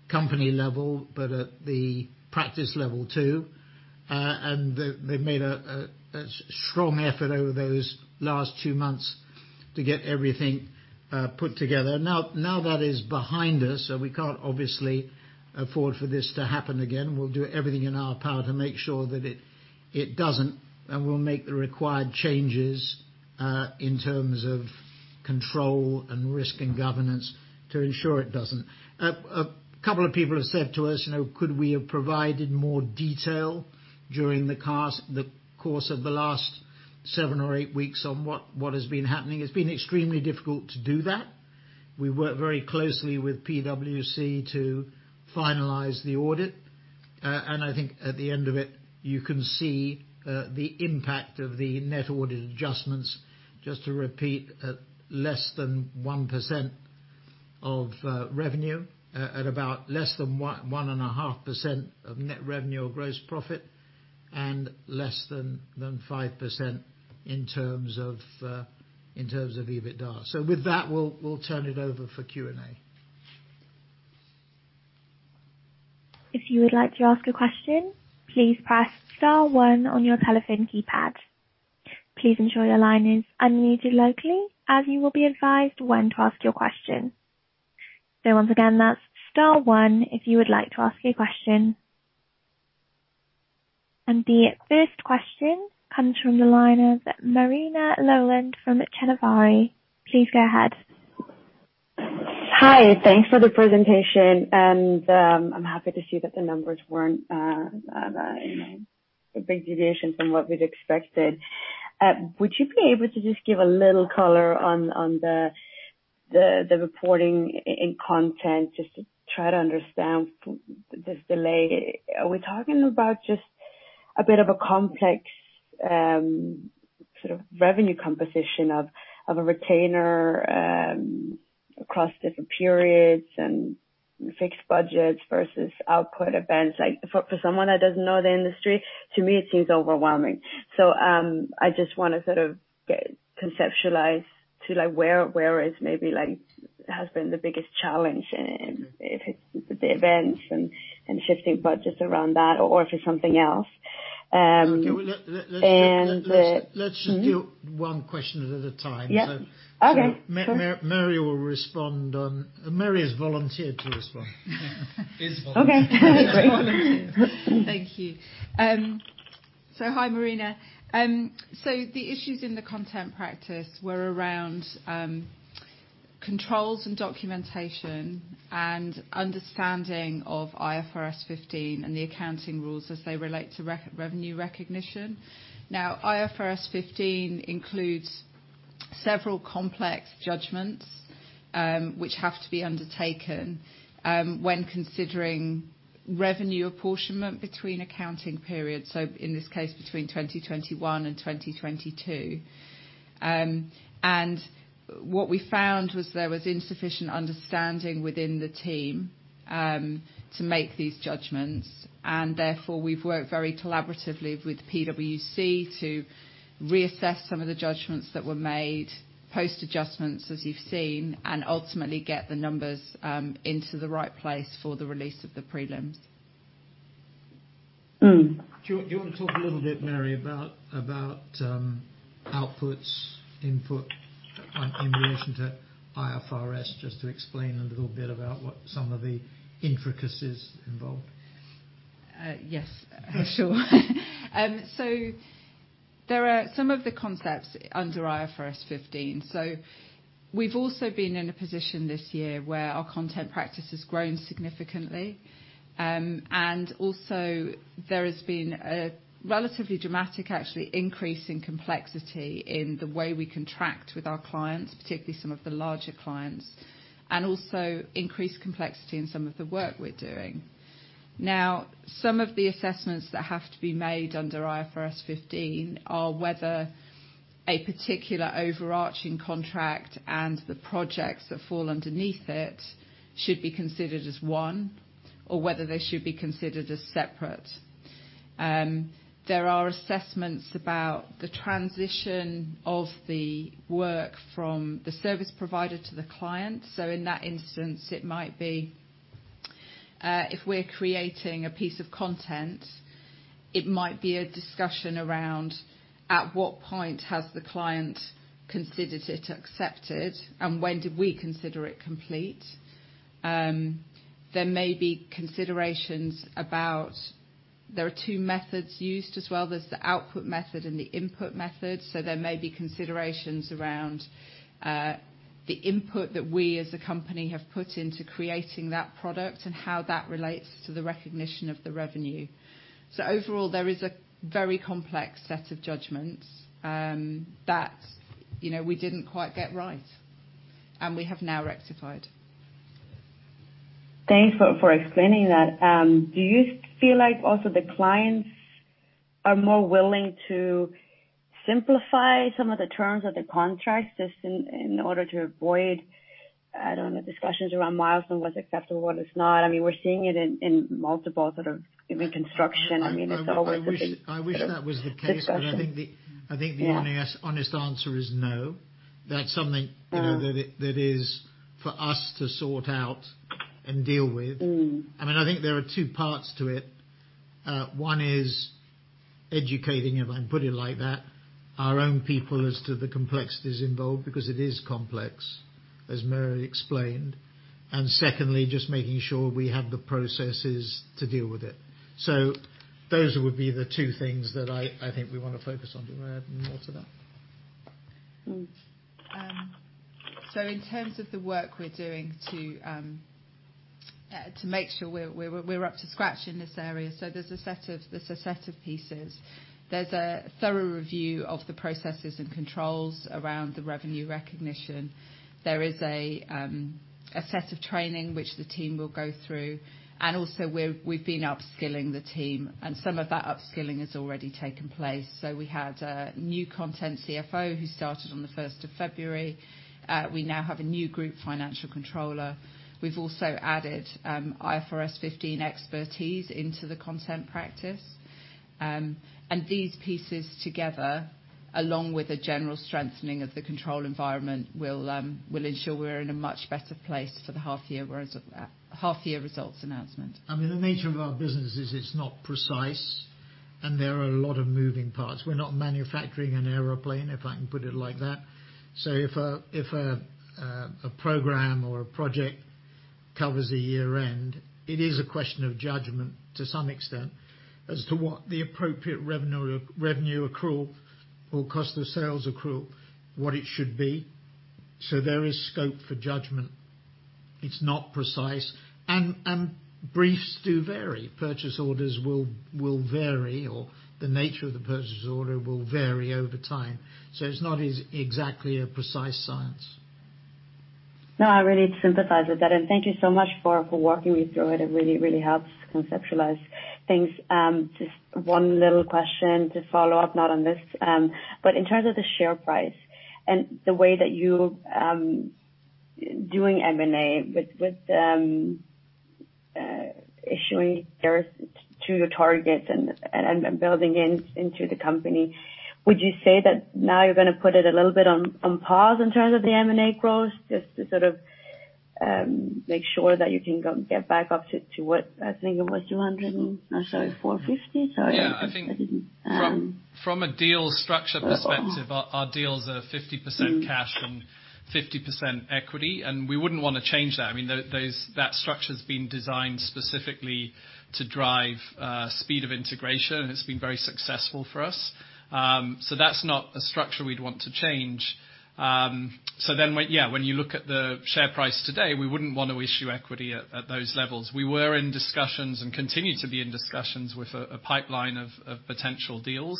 Speaker 1: company level, but at the practice level too. They've made a strong effort over those last two months to get everything put together. Now that is behind us, so we can't obviously afford for this to happen again. We'll do everything in our power to make sure that it doesn't, and we'll make the required changes in terms of control and risk and governance to ensure it doesn't. A couple of people have said to us, you know, could we have provided more detail during the course of the last seven or eight weeks on what has been happening? It's been extremely difficult to do that. We worked very closely with PwC to finalize the audit. I think at the end of it, you can see the impact of the net audit adjustments. Just to repeat, at less than 1% of revenue at about less than one, 1.5% of net revenue or gross profit and less than 5% in terms of EBITDA. With that, we'll turn it over for Q&A.
Speaker 7: If you would like to ask a question, please press star one on your telephone keypad. Please ensure your line is unmuted locally, as you will be advised when to ask your question. So once again, that's star one if you would like to ask a question. The first question comes from the line of Marina Lowland from [Genefy]. Please go ahead.
Speaker 8: Hi. Thanks for the presentation, and, I'm happy to see that the numbers weren't, you know, a big deviation from what we'd expected. Would you be able to just give a little color on the reporting in content just to try to understand this delay? Are we talking about just a bit of a complex sort of revenue composition of a retainer across different periods and fixed budgets versus output events? Like for someone that doesn't know the industry, to me, it seems overwhelming. I just wanna sort of conceptualize to like where is maybe like has been the biggest challenge, if it's the events and shifting budgets around that or if it's something else. Okay. Well, let's just- And the-
Speaker 1: Let's just do one question at a time.
Speaker 8: Yeah. Okay.
Speaker 1: Mary has volunteered to respond.
Speaker 8: Okay. Great.
Speaker 1: Is volunteering.
Speaker 2: Thank you. Hi, Marina. The issues in the content practice were around controls and documentation and understanding of IFRS 15 and the accounting rules as they relate to revenue recognition. Now, IFRS 15 includes several complex judgments, which have to be undertaken, when considering revenue apportionment between accounting periods, so in this case, between 2021 and 2022. What we found was there was insufficient understanding within the team to make these judgments, and therefore, we've worked very collaboratively with PwC to reassess some of the judgments that were made, post adjustments, as you've seen, and ultimately get the numbers into the right place for the release of the prelims.
Speaker 8: Mm.
Speaker 1: Do you want to talk a little bit, Mary, about outputs, input in relation to IFRS, just to explain a little bit about what some of the intricacies involved?
Speaker 2: Yes, for sure. There are some of the concepts under IFRS 15. We've also been in a position this year where our content practice has grown significantly. Also there has been a relatively dramatic, actually, increase in complexity in the way we contract with our clients, particularly some of the larger clients, and also increased complexity in some of the work we're doing. Now, some of the assessments that have to be made under IFRS 15 are whether a particular overarching contract and the projects that fall underneath it should be considered as one or whether they should be considered as separate. There are assessments about the transition of the work from the service provider to the client. In that instance, it might be if we're creating a piece of content, it might be a discussion around at what point has the client considered it accepted and when did we consider it complete. There are two methods used as well. There's the output method and the input method. There may be considerations around the input that we as a company have put into creating that product and how that relates to the recognition of the revenue. Overall, there is a very complex set of judgments that you know we didn't quite get right and we have now rectified.
Speaker 8: Thanks for explaining that. Do you feel like also the clients are more willing to simplify some of the terms of the contract just in order to avoid, I don't know, discussions around milestone, what's acceptable, what is not? I mean, we're seeing it in multiple sort of in construction. I mean, it's always a big-
Speaker 1: I wish that was the case.
Speaker 8: Discussion.
Speaker 1: I think the
Speaker 8: Yeah.
Speaker 1: Honest answer is no. That's something.
Speaker 8: Mm.
Speaker 1: You know, that is for us to sort out and deal with.
Speaker 8: Mm.
Speaker 1: I mean, I think there are two parts to it. One is educating, if I can put it like that, our own people as to the complexities involved, because it is complex, as Mary explained. Secondly, just making sure we have the processes to deal with it. Those would be the two things that I think we wanna focus on. Do you wanna add more to that?
Speaker 8: Mm.
Speaker 2: In terms of the work we're doing to make sure we're up to scratch in this area. There's a set of pieces. There's a thorough review of the processes and controls around the revenue recognition. There is a set of training which the team will go through. Also we've been upskilling the team, and some of that upskilling has already taken place. We had a new content CFO who started on the first of February. We now have a new group financial controller. We've also added IFRS 15 expertise into the content practice. These pieces together, along with a general strengthening of the control environment, will ensure we're in a much better place for the half year results announcement. I mean, the nature of our business is it's not precise, and there are a lot of moving parts. We're not manufacturing an airplane, if I can put it like that. If a program or a project covers a year-end, it is a question of judgment to some extent as to what the appropriate revenue accrual or cost of sales accrual, what it should be. There is scope for judgment. It's not precise. Briefs do vary. Purchase orders will vary, or the nature of the purchase order will vary over time. It's not exactly a precise science. No, I really sympathize with that. Thank you so much for walking me through it. It really helps conceptualize things. Just one little question to follow up, not on this. But in terms of the share price and the way that you doing M&A with issuing shares to your targets and building into the company, would you say that now you're gonna put it a little bit on pause in terms of the M&A growth, just to sort of make sure that you can get back up to what?
Speaker 8: I think it was 200. Oh, sorry, 450. Sorry.
Speaker 3: I think from a deal structure perspective, our deals are 50% cash and 50% equity, and we wouldn't wanna change that. I mean, that structure's been designed specifically to drive speed of integration, and it's been very successful for us. That's not a structure we'd want to change. When you look at the share price today, we wouldn't want to issue equity at those levels. We were in discussions and continue to be in discussions with a pipeline of potential deals.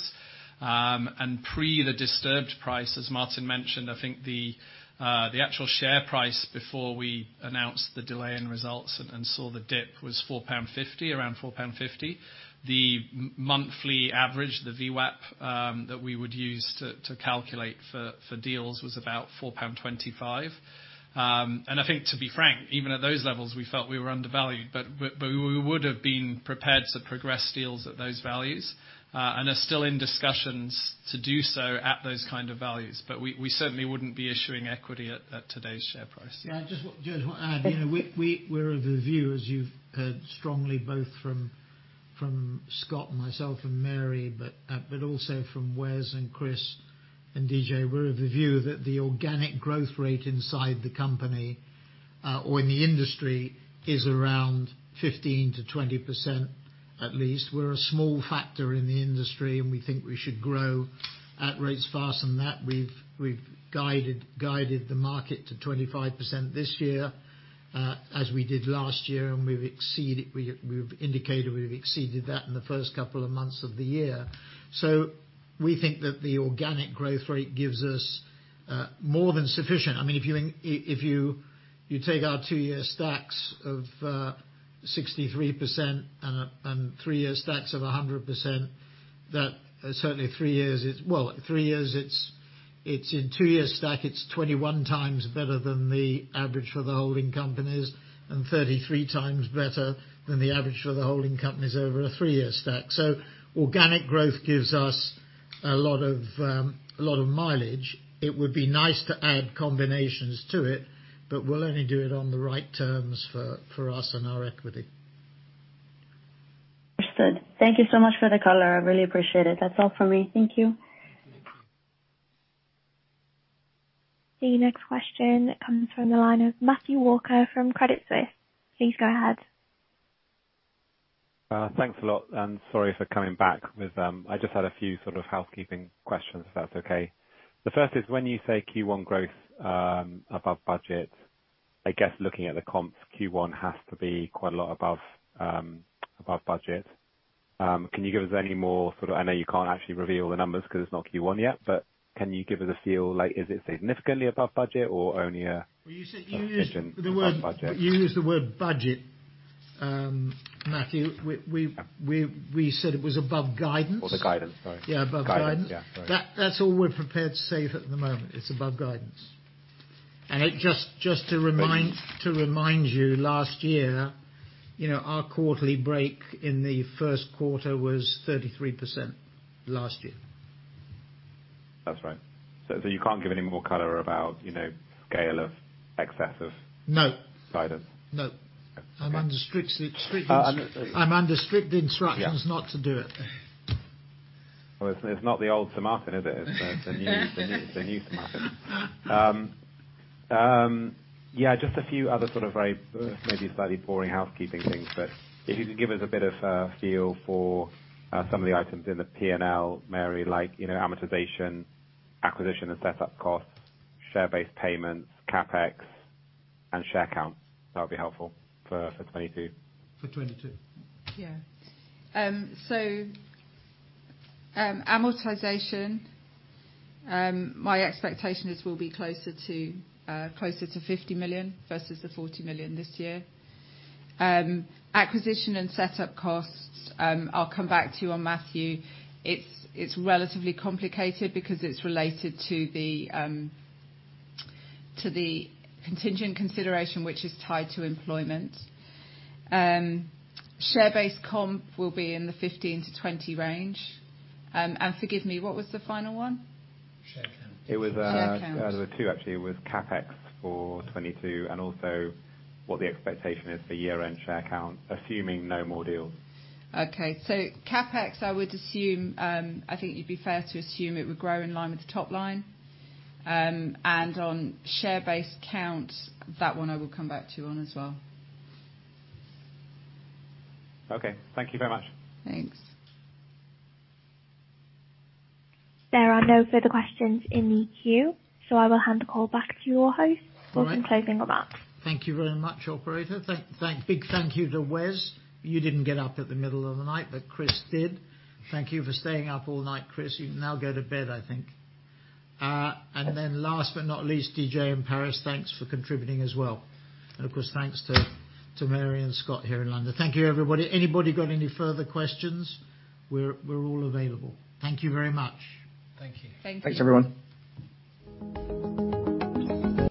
Speaker 3: Pre the disturbed price, as Martin mentioned, I think the actual share price before we announced the delay in results and saw the dip was £4.50, around £4.50. The monthly average, the VWAP, that we would use to calculate for deals was about 4.25 pound. I think to be frank, even at those levels, we felt we were undervalued. But we would have been prepared to progress deals at those values, and are still in discussions to do so at those kind of values. But we certainly wouldn't be issuing equity at today's share price.
Speaker 1: Just want to add.
Speaker 8: Okay.
Speaker 1: You know, we're of the view, as you've heard strongly both from Scott and myself and Mary, but also from Wes and Chris and DJ. We're of the view that the organic growth rate inside the company or in the industry is around 15%-20% at least. We're a small factor in the industry, and we think we should grow at rates faster than that. We've guided the market to 25% this year, as we did last year, and we've indicated we've exceeded that in the first couple of months of the year. We think that the organic growth rate gives us more than sufficient. I mean, if you in If you take our two-year stacks of 63% and three-year stacks of 100%, it's in two-year stack, it's 21 times better than the average for the holding companies and 33 times better than the average for the holding companies over a three-year stack. Organic growth gives us a lot of mileage. It would be nice to add combinations to it, but we'll only do it on the right terms for us and our equity.
Speaker 8: Understood. Thank you so much for the call. I really appreciate it. That's all for me. Thank you.
Speaker 7: The next question comes from the line of Matthew Walker from Credit Suisse. Please go ahead.
Speaker 9: Thanks a lot, and sorry for coming back with. I just had a few sort of housekeeping questions, if that's okay. The first is when you say Q1 growth above budget, I guess looking at the comps, Q1 has to be quite a lot above budget. Can you give us any more? I know you can't actually reveal the numbers 'cause it's not Q1 yet, but can you give us a feel? Like, is it significantly above budget or only sufficient above budget?
Speaker 1: Well, you used the word budget, Matthew. We said it was above guidance.
Speaker 9: Oh, the guidance. Sorry.
Speaker 1: Yeah, above guidance.
Speaker 9: Guidance. Yeah. Sorry.
Speaker 1: That's all we're prepared to say for the moment. It's above guidance. It just to remind.
Speaker 9: Okay.
Speaker 1: To remind you, last year, you know, our quarterly break in the first quarter was 33%. Last year.
Speaker 9: That's right. You can't give any more color about, you know, scale of excess of-
Speaker 1: No.
Speaker 9: -guidance?
Speaker 1: No.
Speaker 9: Okay.
Speaker 1: I'm under strict instructions.
Speaker 9: Uh, I'm-
Speaker 1: I'm under strict instructions.
Speaker 9: Yeah.
Speaker 1: Not to do it.
Speaker 9: Well, it's not the old Samarkand, is it? It's the new Samarkand. Yeah, just a few other sort of very maybe slightly boring housekeeping things. If you could give us a bit of a feel for some of the items in the P&L, Mary, like, you know, amortization, acquisition and setup costs, share-based payments, CapEx, and share count. That would be helpful for 2022.
Speaker 1: For 2022?
Speaker 2: Yeah. Amortization, my expectation is we'll be closer to 50 million versus the 40 million this year. Acquisition and setup costs, I'll come back to you on, Matthew. It's relatively complicated because it's related to the contingent consideration, which is tied to employment. Share-based comp will be in the 15 million-20 million range. Forgive me, what was the final one?
Speaker 1: Share count.
Speaker 2: Share count.
Speaker 9: It was there were two actually. It was CapEx for 2022 and also what the expectation is for year-end share count, assuming no more deals.
Speaker 2: CapEx, I would assume, I think it'd be fair to assume it would grow in line with the top line. On share-based compensation, that one I will come back to you on as well.
Speaker 9: Okay. Thank you very much.
Speaker 2: Thanks.
Speaker 7: There are no further questions in the queue, so I will hand the call back to your host.
Speaker 1: All right.
Speaker 7: For some closing remarks.
Speaker 1: Thank you very much, operator. Big thank you to Wes. You didn't get up at the middle of the night, but Chris did. Thank you for staying up all night, Chris. You can now go to bed, I think. Last but not least, DJ and Paris, thanks for contributing as well. Of course, thanks to Mary and Scott here in London. Thank you, everybody. Anybody got any further questions? We're all available. Thank you very much.
Speaker 3: Thank you.
Speaker 2: Thank you.
Speaker 1: Thanks, everyone.